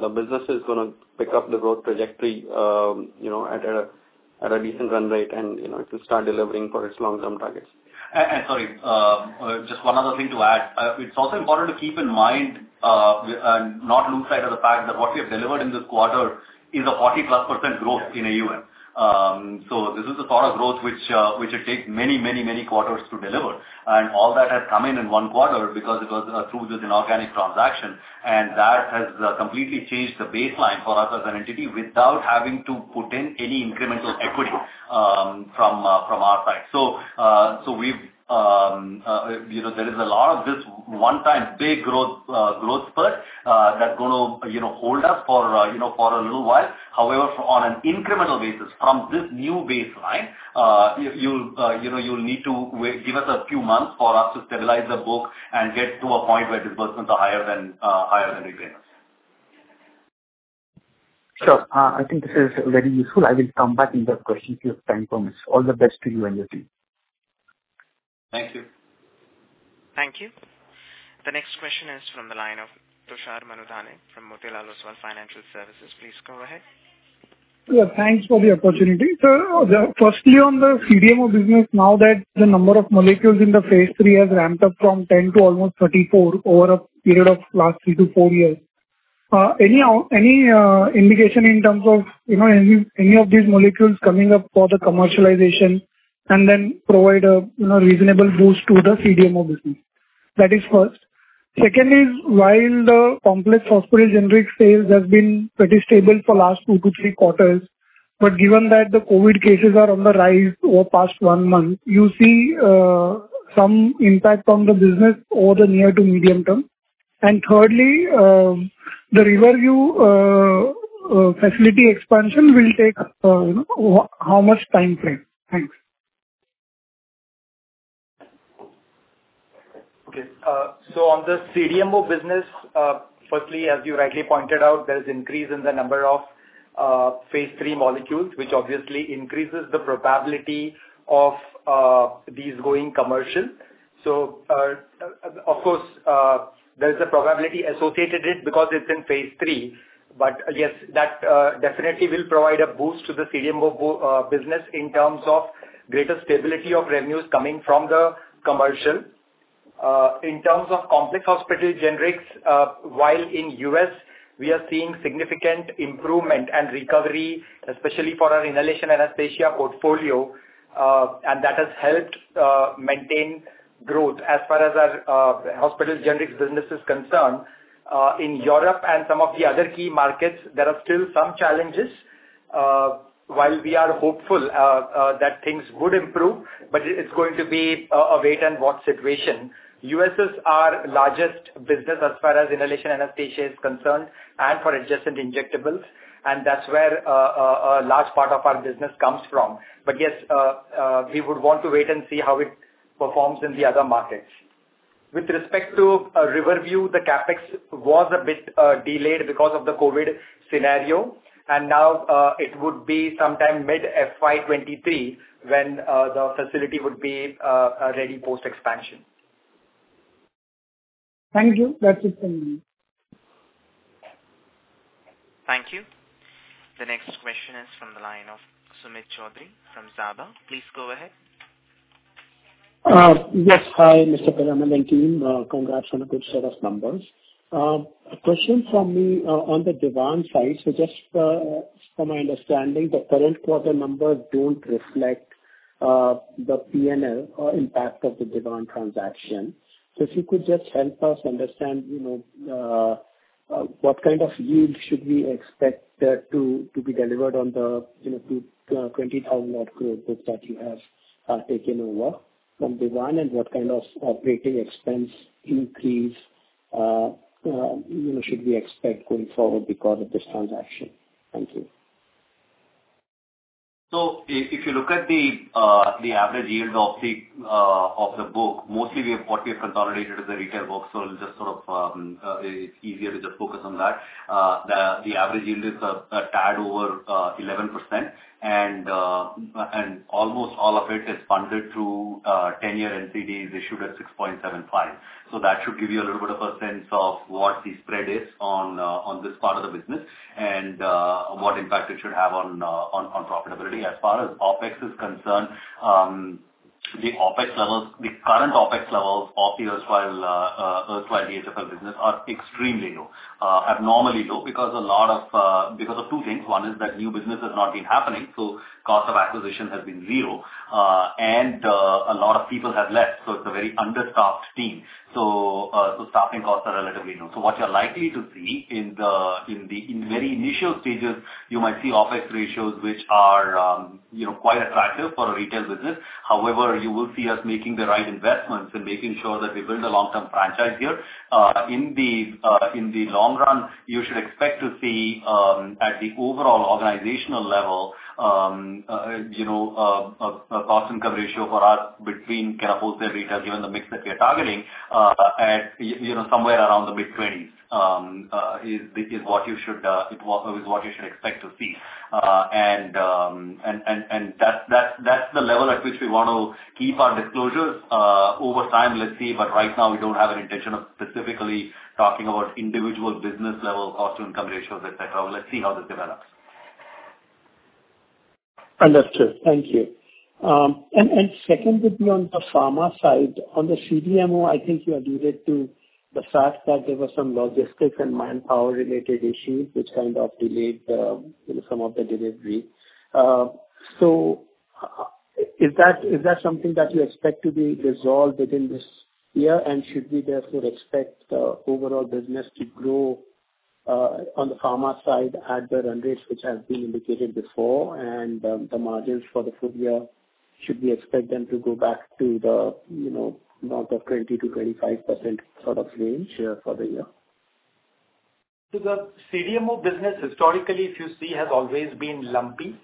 Speaker 2: the business is gonna pick up the growth trajectory, you know, at a decent run rate and, you know, it will start delivering for its long-term targets.
Speaker 5: Sorry, just one other thing to add. It's also important to keep in mind and not lose sight of the fact that what we have delivered in this quarter is a 40%+ growth in AUM. This is the sort of growth which it takes many quarters to deliver. All that has come in one quarter because it was through this inorganic transaction, and that has completely changed the baseline for us as an entity without having to put in any incremental equity from our side. We've, you know, there is a lot of this one-time big growth spurt, that's gonna, you know, hold us for, you know, for a little while. However, on an incremental basis from this new baseline, you'll, you know, you'll need to wait, give us a few months for us to stabilize the book and get to a point where disbursements are higher than repayments.
Speaker 10: Sure. I think this is very useful. I will come back with that question if you have time for me. All the best to you and your team.
Speaker 5: Thank you.
Speaker 1: Thank you. The next question is from the line of Tushar Manudhane from Motilal Oswal Financial Services. Please go ahead.
Speaker 11: Yeah, thanks for the opportunity. Sir, firstly on the CDMO business, now that the number of molecules in the phase III has ramped up from 10 to almost 34 over a period of last three to four years. Anyhow any indication in terms of any of these molecules coming up for the commercialization and then provide a reasonable boost to the CDMO business? That is first. Second is, while the complex hospital generics sales has been pretty stable for last two to three quarters, but given that the COVID cases are on the rise over past 1 month, some impact on the business over the near to medium term. Thirdly, the Riverview facility expansion will take how much time frame? Thanks.
Speaker 9: Okay. On the CDMO business, firstly, as you rightly pointed out, there's increase in the number of phase III molecules, which obviously increases the probability of these going commercial. Of course, there's a probability associated with it because it's in phase III. But yes, that definitely will provide a boost to the CDMO business in terms of greater stability of revenues coming from the commercial. In terms of complex hospital generics, while in U.S. we are seeing significant improvement and recovery, especially for our inhalation anaesthesia portfolio, and that has helped maintain growth as far as our hospital generics business is concerned. In Europe and some of the other key markets, there are still some challenges. While we are hopeful that things would improve, but it's going to be a wait and watch situation. U.S. is our largest business as far as inhalation anaesthesia is concerned and for adjacent injectables, and that's where a large part of our business comes from. Yes, we would want to wait and see how it performs in the other markets. With respect to Riverview, the CapEx was a bit delayed because of the COVID scenario, and now it would be sometime mid FY 2023 when the facility would be ready post-expansion.
Speaker 11: Thank you. That's it from me.
Speaker 1: Thank you. The next question is from the line of Sumit Choudhary from Zaaba Capital. Please go ahead.
Speaker 12: Yes. Hi, Mr. Jairam Sridharan and team. Congrats on a good set of numbers. A question from me on the Dewan Housing Finance Corporation Limited side. Just from my understanding, the current quarter numbers don't reflect the P&L or impact of the Dewan Housing Finance Corporation Limited transaction. If you could just help us understand, you know, what kind of yield should we expect to be delivered on the, you know, 20,000-odd crore you have taken over from Dewan Housing Finance Corporation Limited, and what kind of operating expense increase, you know, should we expect going forward because of this transaction? Thank you.
Speaker 5: If you look at the average yield of the book, mostly we have what we have consolidated as a retail book. It's just sort of easier to just focus on that. The average yield is a tad over 11%, and almost all of it is funded through 10-year NCDs issued at 6.75%. That should give you a little bit of a sense of what the spread is on this part of the business and what impact it should have on profitability. As far as OpEx is concerned, the current OpEx levels of the erstwhile DHFL business are extremely low, abnormally low. One is that new business has not been happening, so cost of acquisition has been zero. A lot of people have left, so it's a very understaffed team. Staffing costs are relatively low. What you're likely to see in the very initial stages, you might see OpEx ratios which are, you know, quite attractive for a retail business. However, you will see us making the right investments and making sure that we build a long-term franchise here. In the long run, you should expect to see at the overall organizational level, you know, a cost-income ratio for us between kind of wholesale retail, given the mix that we are targeting, at, you know, somewhere around the mid-20s, is what you should expect to see. That's the level at which we want to keep our disclosures. Over time, let's see, but right now we don't have an intention of specifically talking about individual business level cost-income ratios, et cetera. Let's see how this develops.
Speaker 12: Understood. Thank you. Secondly, on the pharma side, on the CDMO, I think you had alluded to the fact that there were some logistics and manpower-related issues which kind of delayed you know, some of the delivery. Is that something that you expect to be resolved within this year? And should we therefore expect the overall business to grow on the pharma side at the run rates which have been indicated before and the margins for the full year, should we expect them to go back to the you know, north of 20%-25% sort of range for the year?
Speaker 9: The CDMO business historically, if you see, has always been lumpy.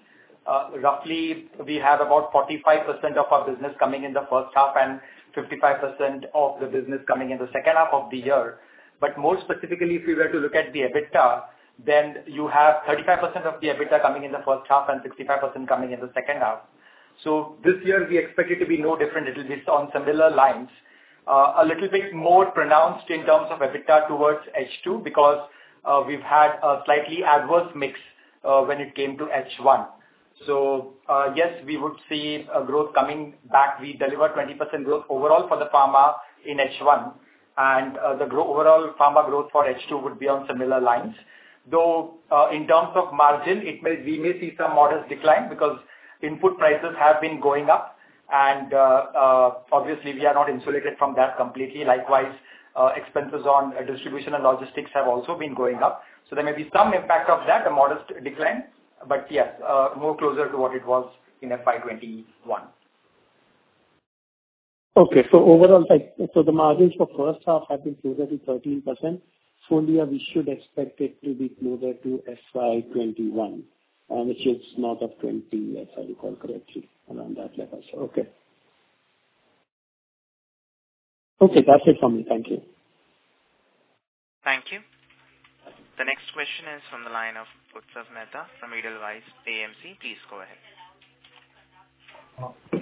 Speaker 9: Roughly we have about 45% of our business coming in the first half and 55% of the business coming in the second half of the year. More specifically, if you were to look at the EBITDA, then you have 35% of the EBITDA coming in the first half and 65% coming in the second half. This year we expect it to be no different. It'll be on similar lines. A little bit more pronounced in terms of EBITDA towards H2 because we've had a slightly adverse mix when it came to H1. Yes, we would see a growth coming back. We delivered 20% growth overall for the pharma in H1, and overall pharma growth for H2 would be on similar lines. Though, in terms of margin, we may see some modest decline because input prices have been going up and, obviously we are not insulated from that completely. Likewise, expenses on distribution and logistics have also been going up. There may be some impact of that, a modest decline, but yes, more closer to what it was in FY 2021.
Speaker 12: Okay. Overall, like, the margins for first half have been closer to 13%. We should expect it to be closer to FY 2021, which is north of 20%, if I recall correctly, around that level. Okay. Okay, that's it from me. Thank you.
Speaker 1: Thank you. The next question is from the line of Utsav Mehta from Edelweiss AMC. Please go ahead.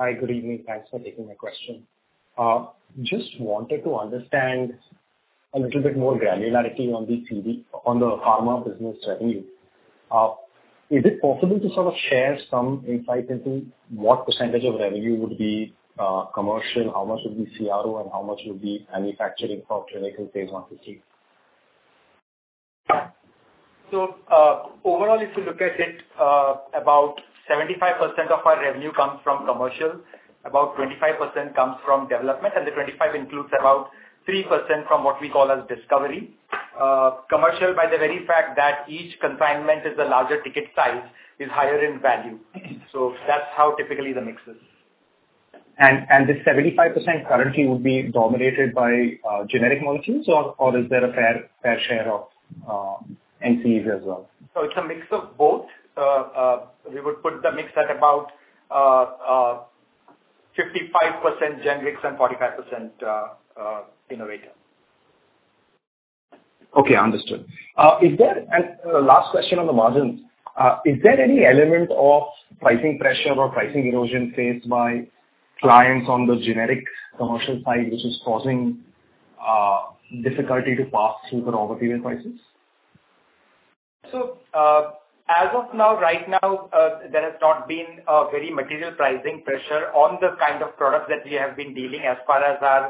Speaker 13: Hi. Good evening. Thanks for taking my question. Just wanted to understand a little bit more granularity on the Pharma business revenue. Is it possible to sort of share some insight into what percentage of revenue would be commercial, how much would be CRO, and how much would be manufacturing for clinical phase I to phase III?
Speaker 9: Overall, if you look at it, about 75% of our revenue comes from commercial, about 25% comes from development, and the 25% includes about 3% from what we call as discovery. Commercial by the very fact that each consignment is a larger ticket size is higher in value. That's how typically the mix is.
Speaker 13: This 75% currently would be dominated by generic molecules or is there a fair share of NCEs as well?
Speaker 9: It's a mix of both. We would put the mix at about 55% generics and 45% innovator.
Speaker 13: Okay, understood. Last question on the margins. Is there any element of pricing pressure or pricing erosion faced by clients on the generic commercial side which is causing difficulty to pass through raw material prices?
Speaker 9: As of now, right now, there has not been a very material pricing pressure on the kind of products that we have been dealing as far as our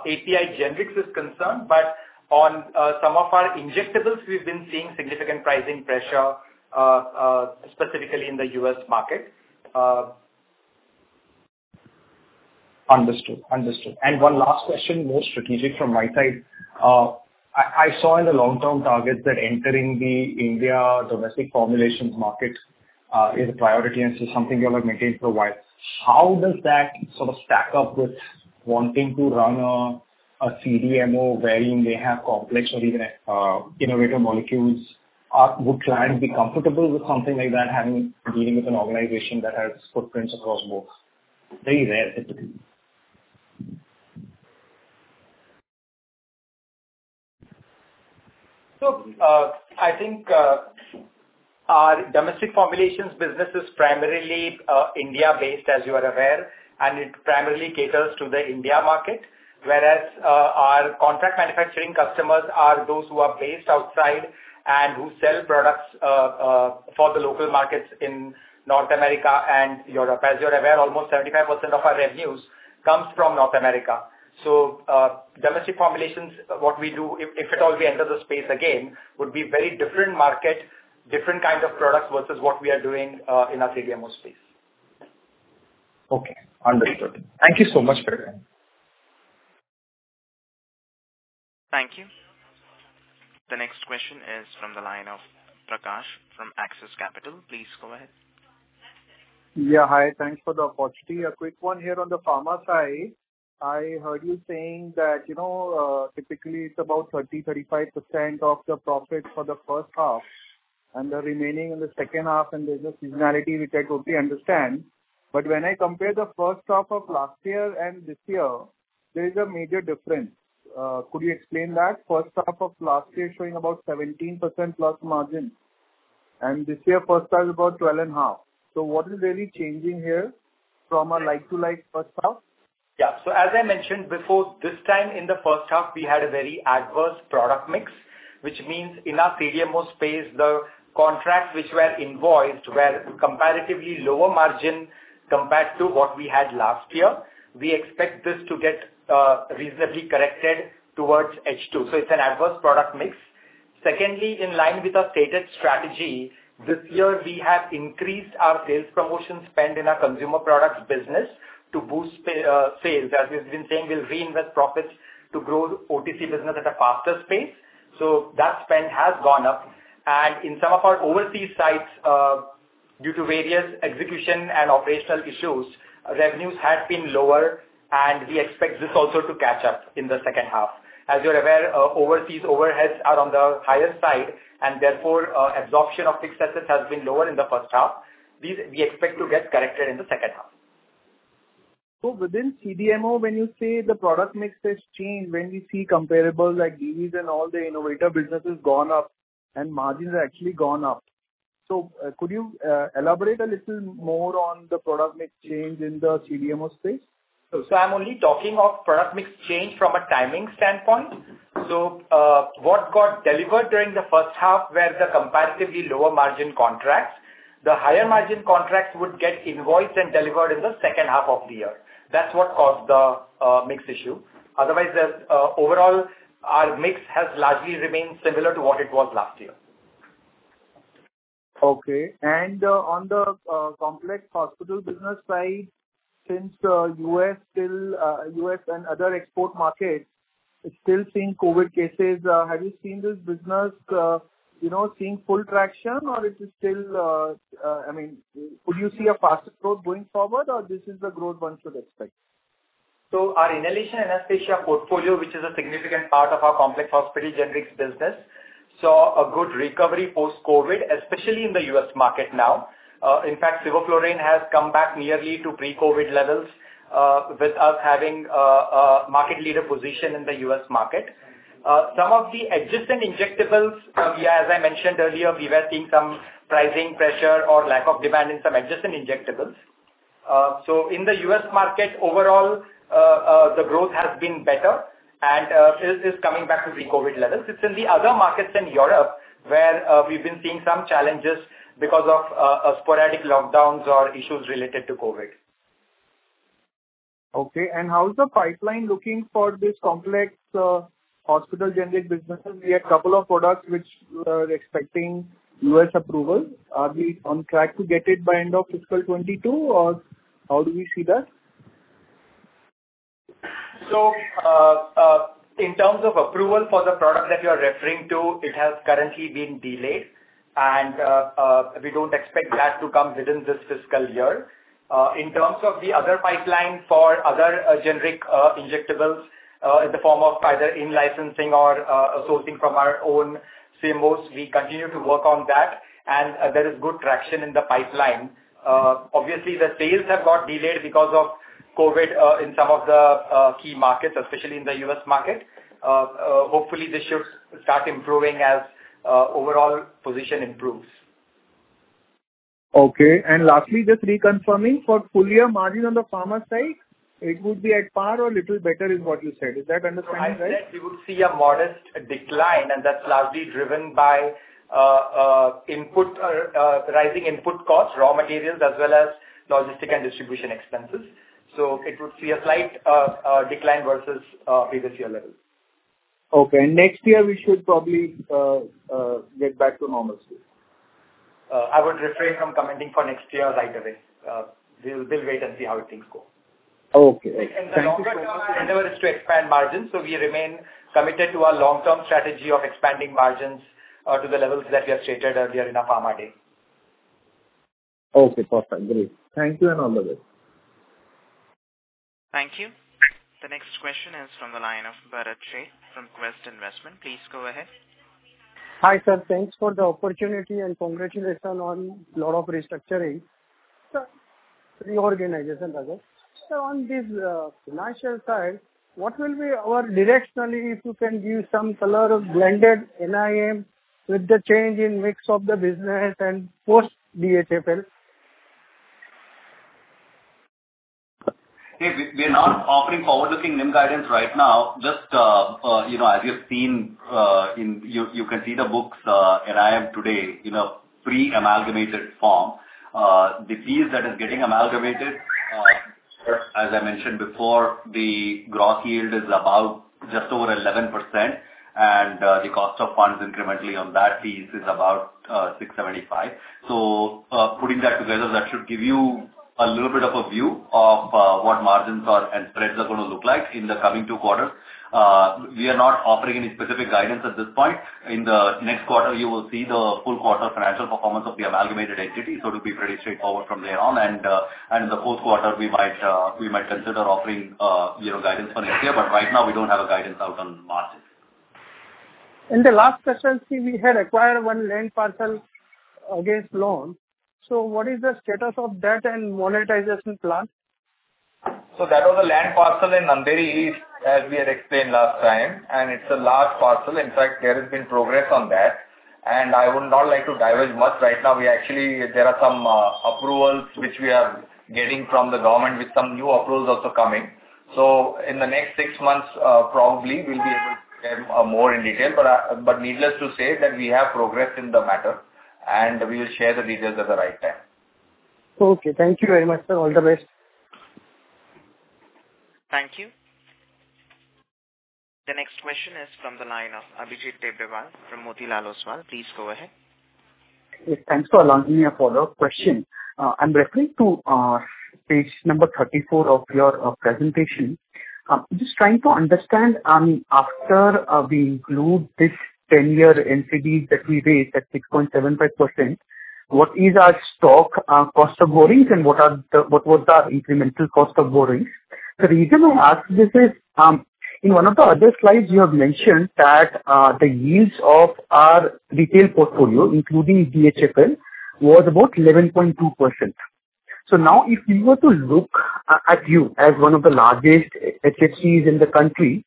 Speaker 9: API generics is concerned, but on some of our injectables we've been seeing significant pricing pressure, specifically in the U.S. market.
Speaker 13: Understood. One last question, more strategic from my side. I saw in the long-term targets that entering the India domestic formulations market is a priority and this is something you have maintained for a while. How does that sort of stack up with wanting to run a CDMO wherein they have complex or even innovative molecules? Would clients be comfortable with something like that, dealing with an organization that has footprints across both? Very rare typically.
Speaker 9: I think our domestic formulations business is primarily India-based, as you are aware, and it primarily caters to the India market. Whereas our contract manufacturing customers are those who are based outside and who sell products for the local markets in North America and Europe. As you're aware, almost 75% of our revenues comes from North America. Domestic formulations, what we do if at all we enter the space again, would be very different market, different kind of products versus what we are doing in our CDMO space.
Speaker 13: Okay. Understood. Thank you so much, for the color.
Speaker 1: Thank you. The next question is from the line of Prakash Agarwal from Axis Capital. Please go ahead.
Speaker 14: Yeah. Hi. Thanks for the opportunity. A quick one here on the pharma side. I heard you saying that, you know, typically it's about 30%-35% of the profit for the first half and the remaining in the second half, and there's a seasonality, which I totally understand. When I compare the first half of last year and this year, there is a major difference. Could you explain that? First half of last year showing about 17% plus margin, and this year first half is about 12.5. What is really changing here from a like-to-like first half?
Speaker 9: Yeah. As I mentioned before, this time in the first half we had a very adverse product mix, which means in our CDMO space the contracts which were invoiced were comparatively lower margin compared to what we had last year. We expect this to get reasonably corrected towards H2. It's an adverse product mix. Secondly, in line with our stated strategy, this year we have increased our sales promotion spend in our consumer products business to boost sales. As we've been saying, we'll reinvest profits to grow OTC business at a faster pace. That spend has gone up. In some of our overseas sites, due to various execution and operational issues, revenues have been lower and we expect this also to catch up in the second half. As you're aware, overseas overheads are on the higher side and therefore, absorption of fixed assets has been lower in the first half. These we expect to get corrected in the second half.
Speaker 14: Within CDMO, when you say the product mix has changed, when we see comparable like Divi's and all the innovator business has gone up and margins have actually gone up. Could you elaborate a little more on the product mix change in the CDMO space?
Speaker 9: I'm only talking of product mix change from a timing standpoint. What got delivered during the first half were the comparatively lower margin contracts. The higher margin contracts would get invoiced and delivered in the second half of the year. That's what caused the mix issue. Otherwise, overall, our mix has largely remained similar to what it was last year.
Speaker 14: On the complex hospital business side, since U.S. and other export markets are still seeing COVID cases, have you seen this business, you know, seeing full traction or is it still, I mean, could you see a faster growth going forward, or this is the growth one should expect?
Speaker 9: Our inhalation anaesthesia portfolio, which is a significant part of our complex hospital generics business, saw a good recovery post-COVID, especially in the U.S. market now. In fact, sevoflurane has come back nearly to pre-COVID levels, with us having a market leader position in the U.S. market. Some of the adjacent injectables, as I mentioned earlier, we were seeing some pricing pressure or lack of demand in some adjacent injectables. In the U.S. market overall, the growth has been better and is coming back to pre-COVID levels. It's in the other markets in Europe where we've been seeing some challenges because of sporadic lockdowns or issues related to COVID.
Speaker 14: Okay. How is the pipeline looking for this complex hospital generics? We have couple of products which we are expecting U.S. approval. Are we on track to get it by end of fiscal 2022 or how do we see that?
Speaker 9: In terms of approval for the product that you're referring to, it has currently been delayed and we don't expect that to come within this fiscal year. In terms of the other pipeline for other generic injectables in the form of either in-licensing or sourcing from our own CMOs, we continue to work on that and there is good traction in the pipeline. Obviously the sales have got delayed because of COVID in some of the key markets, especially in the U.S. market. Hopefully this should start improving as overall position improves.
Speaker 14: Okay. Lastly, just reconfirming, for full year margin on the pharma side, it would be at par or little better is what you said. Is that understanding right?
Speaker 9: I said we would see a modest decline, and that's largely driven by rising input costs, raw materials, as well as logistics and distribution expenses. It would see a slight decline versus previous year levels.
Speaker 14: Okay. Next year we should probably get back to normalcy.
Speaker 9: I would refrain from commenting for next year's guidance. We'll wait and see how things go.
Speaker 14: Okay. Thank you so much.
Speaker 9: Our endeavour is to expand margins, so we remain committed to our long-term strategy of expanding margins to the levels that we have stated earlier in our Pharma Day.
Speaker 14: Okay. Perfect. Great. Thank you and all the best.
Speaker 1: Thank you. The next question is from the line of Bharat Sheth from Quest Investment Advisors. Please go ahead.
Speaker 15: Hi, sir. Thanks for the opportunity, and congratulations on lot of restructuring. Sir, reorganization rather. Sir, on this financial side, what will be our directionally, if you can give some color of blended NIM with the change in mix of the business and post DHFL?
Speaker 5: Hey, we're not offering forward-looking NIM guidance right now. Just, you know, as you've seen, you can see the books in IM today in a pre-amalgamated form. The fees that is getting amalgamated, as I mentioned before, the gross yield is about just over 11% and the cost of funds incrementally on that fees is about 6.75%. Putting that together, that should give you a little bit of a view of what margins are and spreads are gonna look like in the coming two quarters. We are not offering any specific guidance at this point. In the next quarter, you will see the full quarter financial performance of the amalgamated entity, so it'll be pretty straightforward from there on. In the fourth quarter we might consider offering you know, guidance for next year. Right now we don't have a guidance out on margins.
Speaker 15: In the last specialty we had acquired one land parcel against loan, so what is the status of that and monetization plan?
Speaker 5: That was a land parcel in Andheri East, as we had explained last time, and it's a large parcel. In fact, there has been progress on that, and I would not like to diverge much. Right now we actually there are some approvals which we are getting from the government, with some new approvals also coming. In the next six months, probably we'll be able to share more in detail. Needless to say that we have progressed in the matter, and we will share the details at the right time.
Speaker 15: Okay. Thank you very much, sir. All the best.
Speaker 1: Thank you. The next question is from the line of Abhijit Tibrewal from Motilal Oswal. Please go ahead.
Speaker 10: Yes, thanks for allowing me a follow-up question. I'm referring to page number 34 of your presentation. Just trying to understand, after we include this 10-year NCD that we raised at 6.75%, what is our cost of borrowings and what was the incremental cost of borrowings? The reason I ask this is, in one of the other slides you have mentioned that the yields of our retail portfolio, including DHFL, was about 11.2%. Now if we were to look at you as one of the largest HFCs in the country,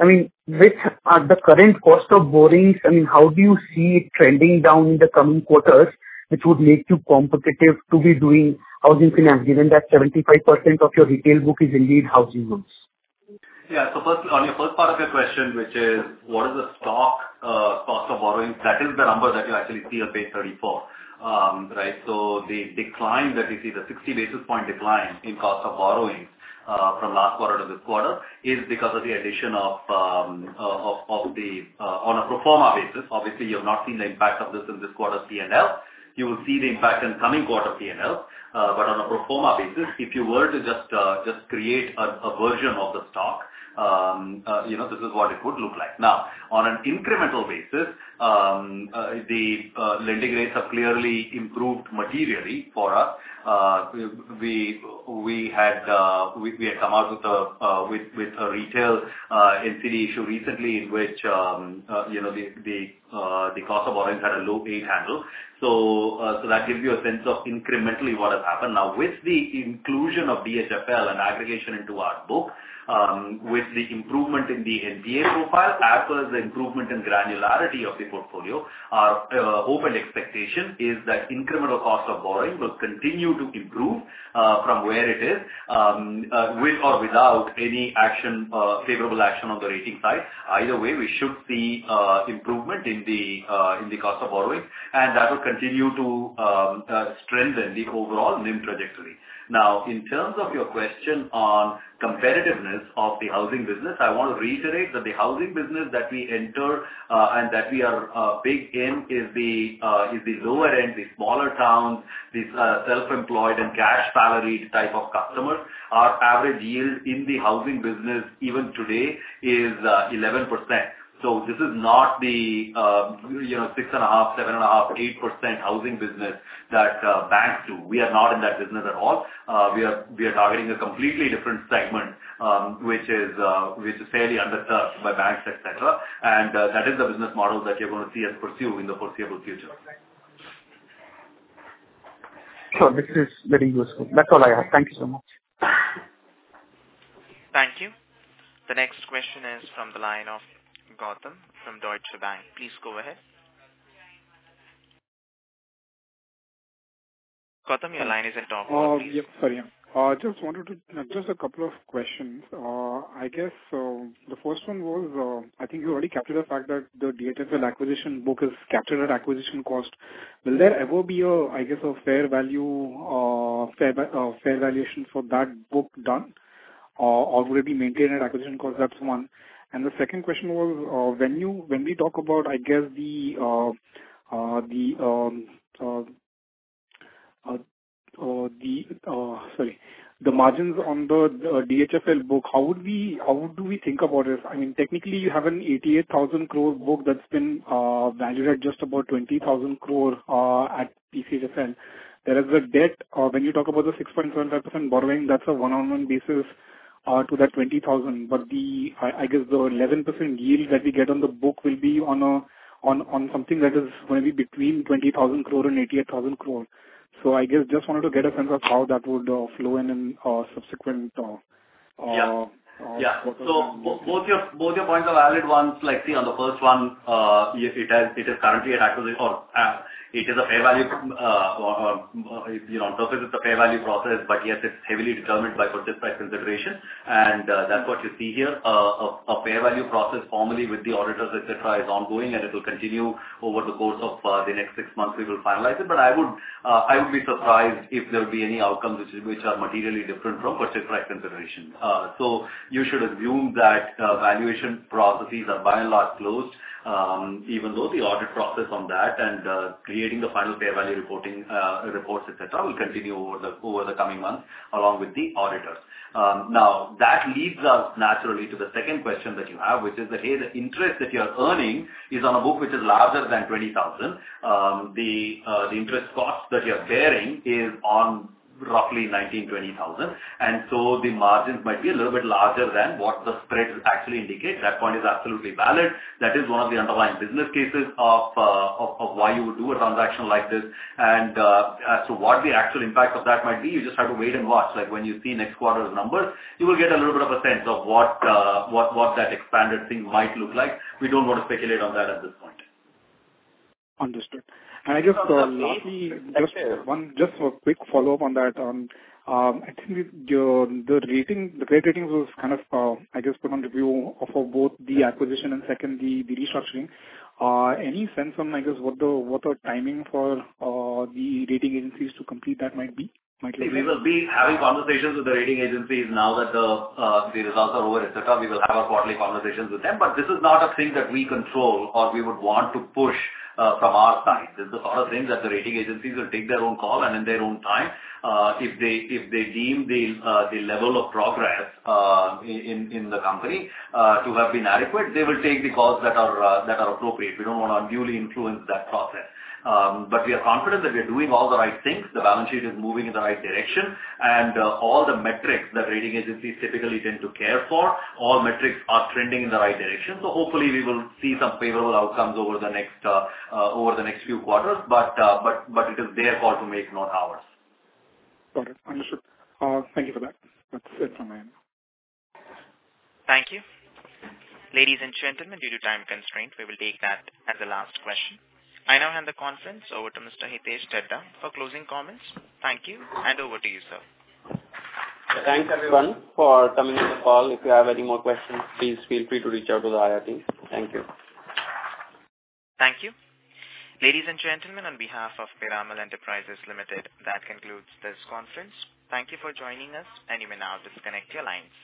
Speaker 10: I mean, which are the current cost of borrowings? I mean, how do you see it trending down in the coming quarters, which would make you competitive to be doing housing finance, given that 75% of your retail book is indeed housing loans?
Speaker 5: First, on your first part of your question, which is what is the cost of borrowings? That is the number that you actually see on page 34. The decline that we see, the 60 basis point decline in cost of borrowings from last quarter to this quarter, is because of the addition of DHFL on a pro forma basis. Obviously, you have not seen the impact of this in this quarter's P&L. You will see the impact in coming quarter P&L. But on a pro forma basis, if you were to just create a version of the P&L, you know, this is what it would look like. Now, on an incremental basis, the lending rates have clearly improved materially for us. We had come out with a retail NCD issue recently in which, you know, the cost of borrowings had a low eight handle. That gives you a sense of incrementally what has happened. Now, with the inclusion of DHFL and aggregation into our book, with the improvement in the NPA profile as well as the improvement in granularity of the portfolio, our open expectation is that incremental cost of borrowing will continue to improve from where it is, with or without any action, favourable action on the rating side. Either way, we should see improvement in the cost of borrowing, and that will continue to strengthen the overall NIM trajectory. Now, in terms of your question on competitiveness of the housing business, I want to reiterate that the housing business that we enter and that we are big in is the lower end, the smaller towns, these self-employed and cash salary type of customers. Our average yield in the housing business even today is 11%. So, this is not the, you know, 6.5%, 7.5%, 8% housing business that banks do. We are not in that business at all. We are targeting a completely different segment, which is fairly underserved by banks, et cetera. That is the business model that you're gonna see us pursue in the foreseeable future.
Speaker 10: Sure. This is very useful. That's all I have. Thank you so much.
Speaker 1: Thank you. The next question is from the line of Gautam Chandrasekhar from Deutsche Bank. Please go ahead. Gautam, your line is open.
Speaker 16: Yep, sorry. Just wanted to. Just a couple of questions. I guess the first one was, I think you already captured the fact that the DHFL acquisition book is captured at acquisition cost. Will there ever be a, I guess, a fair value, fair valuation for that book done or will it be maintained at acquisition cost? That's one. The second question was, when we talk about, I guess the margins on the DHFL book, how would we, how do we think about it? I mean, technically you have an 88,000 crore book that's been valued at just about 20,000 crore at PCHFL. There is a debt when you talk about the 6.75% borrowing, that's a 101 basis points to that 20,000 crore. I guess the 11% yield that we get on the book will be on something that is maybe between 20,000 crore and 88,000 crore. I guess just wanted to get a sense of how that would flow in subsequent.
Speaker 5: Both your points are valid ones. Like, see, on the first one, yes, it has, it is currently an acquisition accounting, it is a fair value from you know in terms of the fair value process, but yes, it's heavily determined by purchase price consideration. That's what you see here. A fair value process formally with the auditors, et cetera, is ongoing, and it will continue over the course of the next six months. We will finalize it. I would be surprised if there would be any outcomes which are materially different from purchase price consideration. You should assume that valuation processes are by and large closed, even though the audit process on that and creating the final fair value reporting reports, et cetera, will continue over the coming months along with the auditors. Now that leads us naturally to the second question that you have, which is that, hey, the interest that you're earning is on a book which is larger than 20,000. The interest costs that you're bearing is on roughly 19,000-20,000. The margins might be a little bit larger than what the spreads actually indicate. That point is absolutely valid. That is one of the underlying business cases of why you would do a transaction like this. As to what the actual impact of that might be, you just have to wait and watch. Like, when you see next quarter's numbers, you will get a little bit of a sense of what that expanded thing might look like. We don't wanna speculate on that at this point.
Speaker 16: Understood. Lastly, just one quick follow-up on that. I think the credit ratings was kind of, I guess, put on review for both the acquisition and secondly, the restructuring. Any sense on, I guess, what the timing for the rating agencies to complete that might look like?
Speaker 5: We will be having conversations with the rating agencies now that the results are over, et cetera. We will have our quarterly conversations with them. This is not a thing that we control, or we would want to push from our side. This is one of the things that the rating agencies will take their own call and in their own time. If they deem the level of progress in the company to have been adequate, they will take the calls that are appropriate. We don't wanna unduly influence that process. We are confident that we are doing all the right things. The balance sheet is moving in the right direction. All the metrics that rating agencies typically tend to care for, all metrics are trending in the right direction. Hopefully we will see some favourable outcomes over the next few quarters. It is their call to make, not ours.
Speaker 16: Got it. Understood. Thank you for that. That's it from my end.
Speaker 1: Thank you. Ladies and gentlemen, due to time constraint, we will take that as the last question. I now hand the conference over to Mr. Hitesh Dhaddha for closing comments. Thank you, and over to you, sir.
Speaker 2: Thanks, everyone, for coming on the call. If you have any more questions, please feel free to reach out to the IR team. Thank you.
Speaker 1: Thank you. Ladies and gentlemen, on behalf of Piramal Enterprises Limited, that concludes this conference. Thank you for joining us, and you may now disconnect your lines.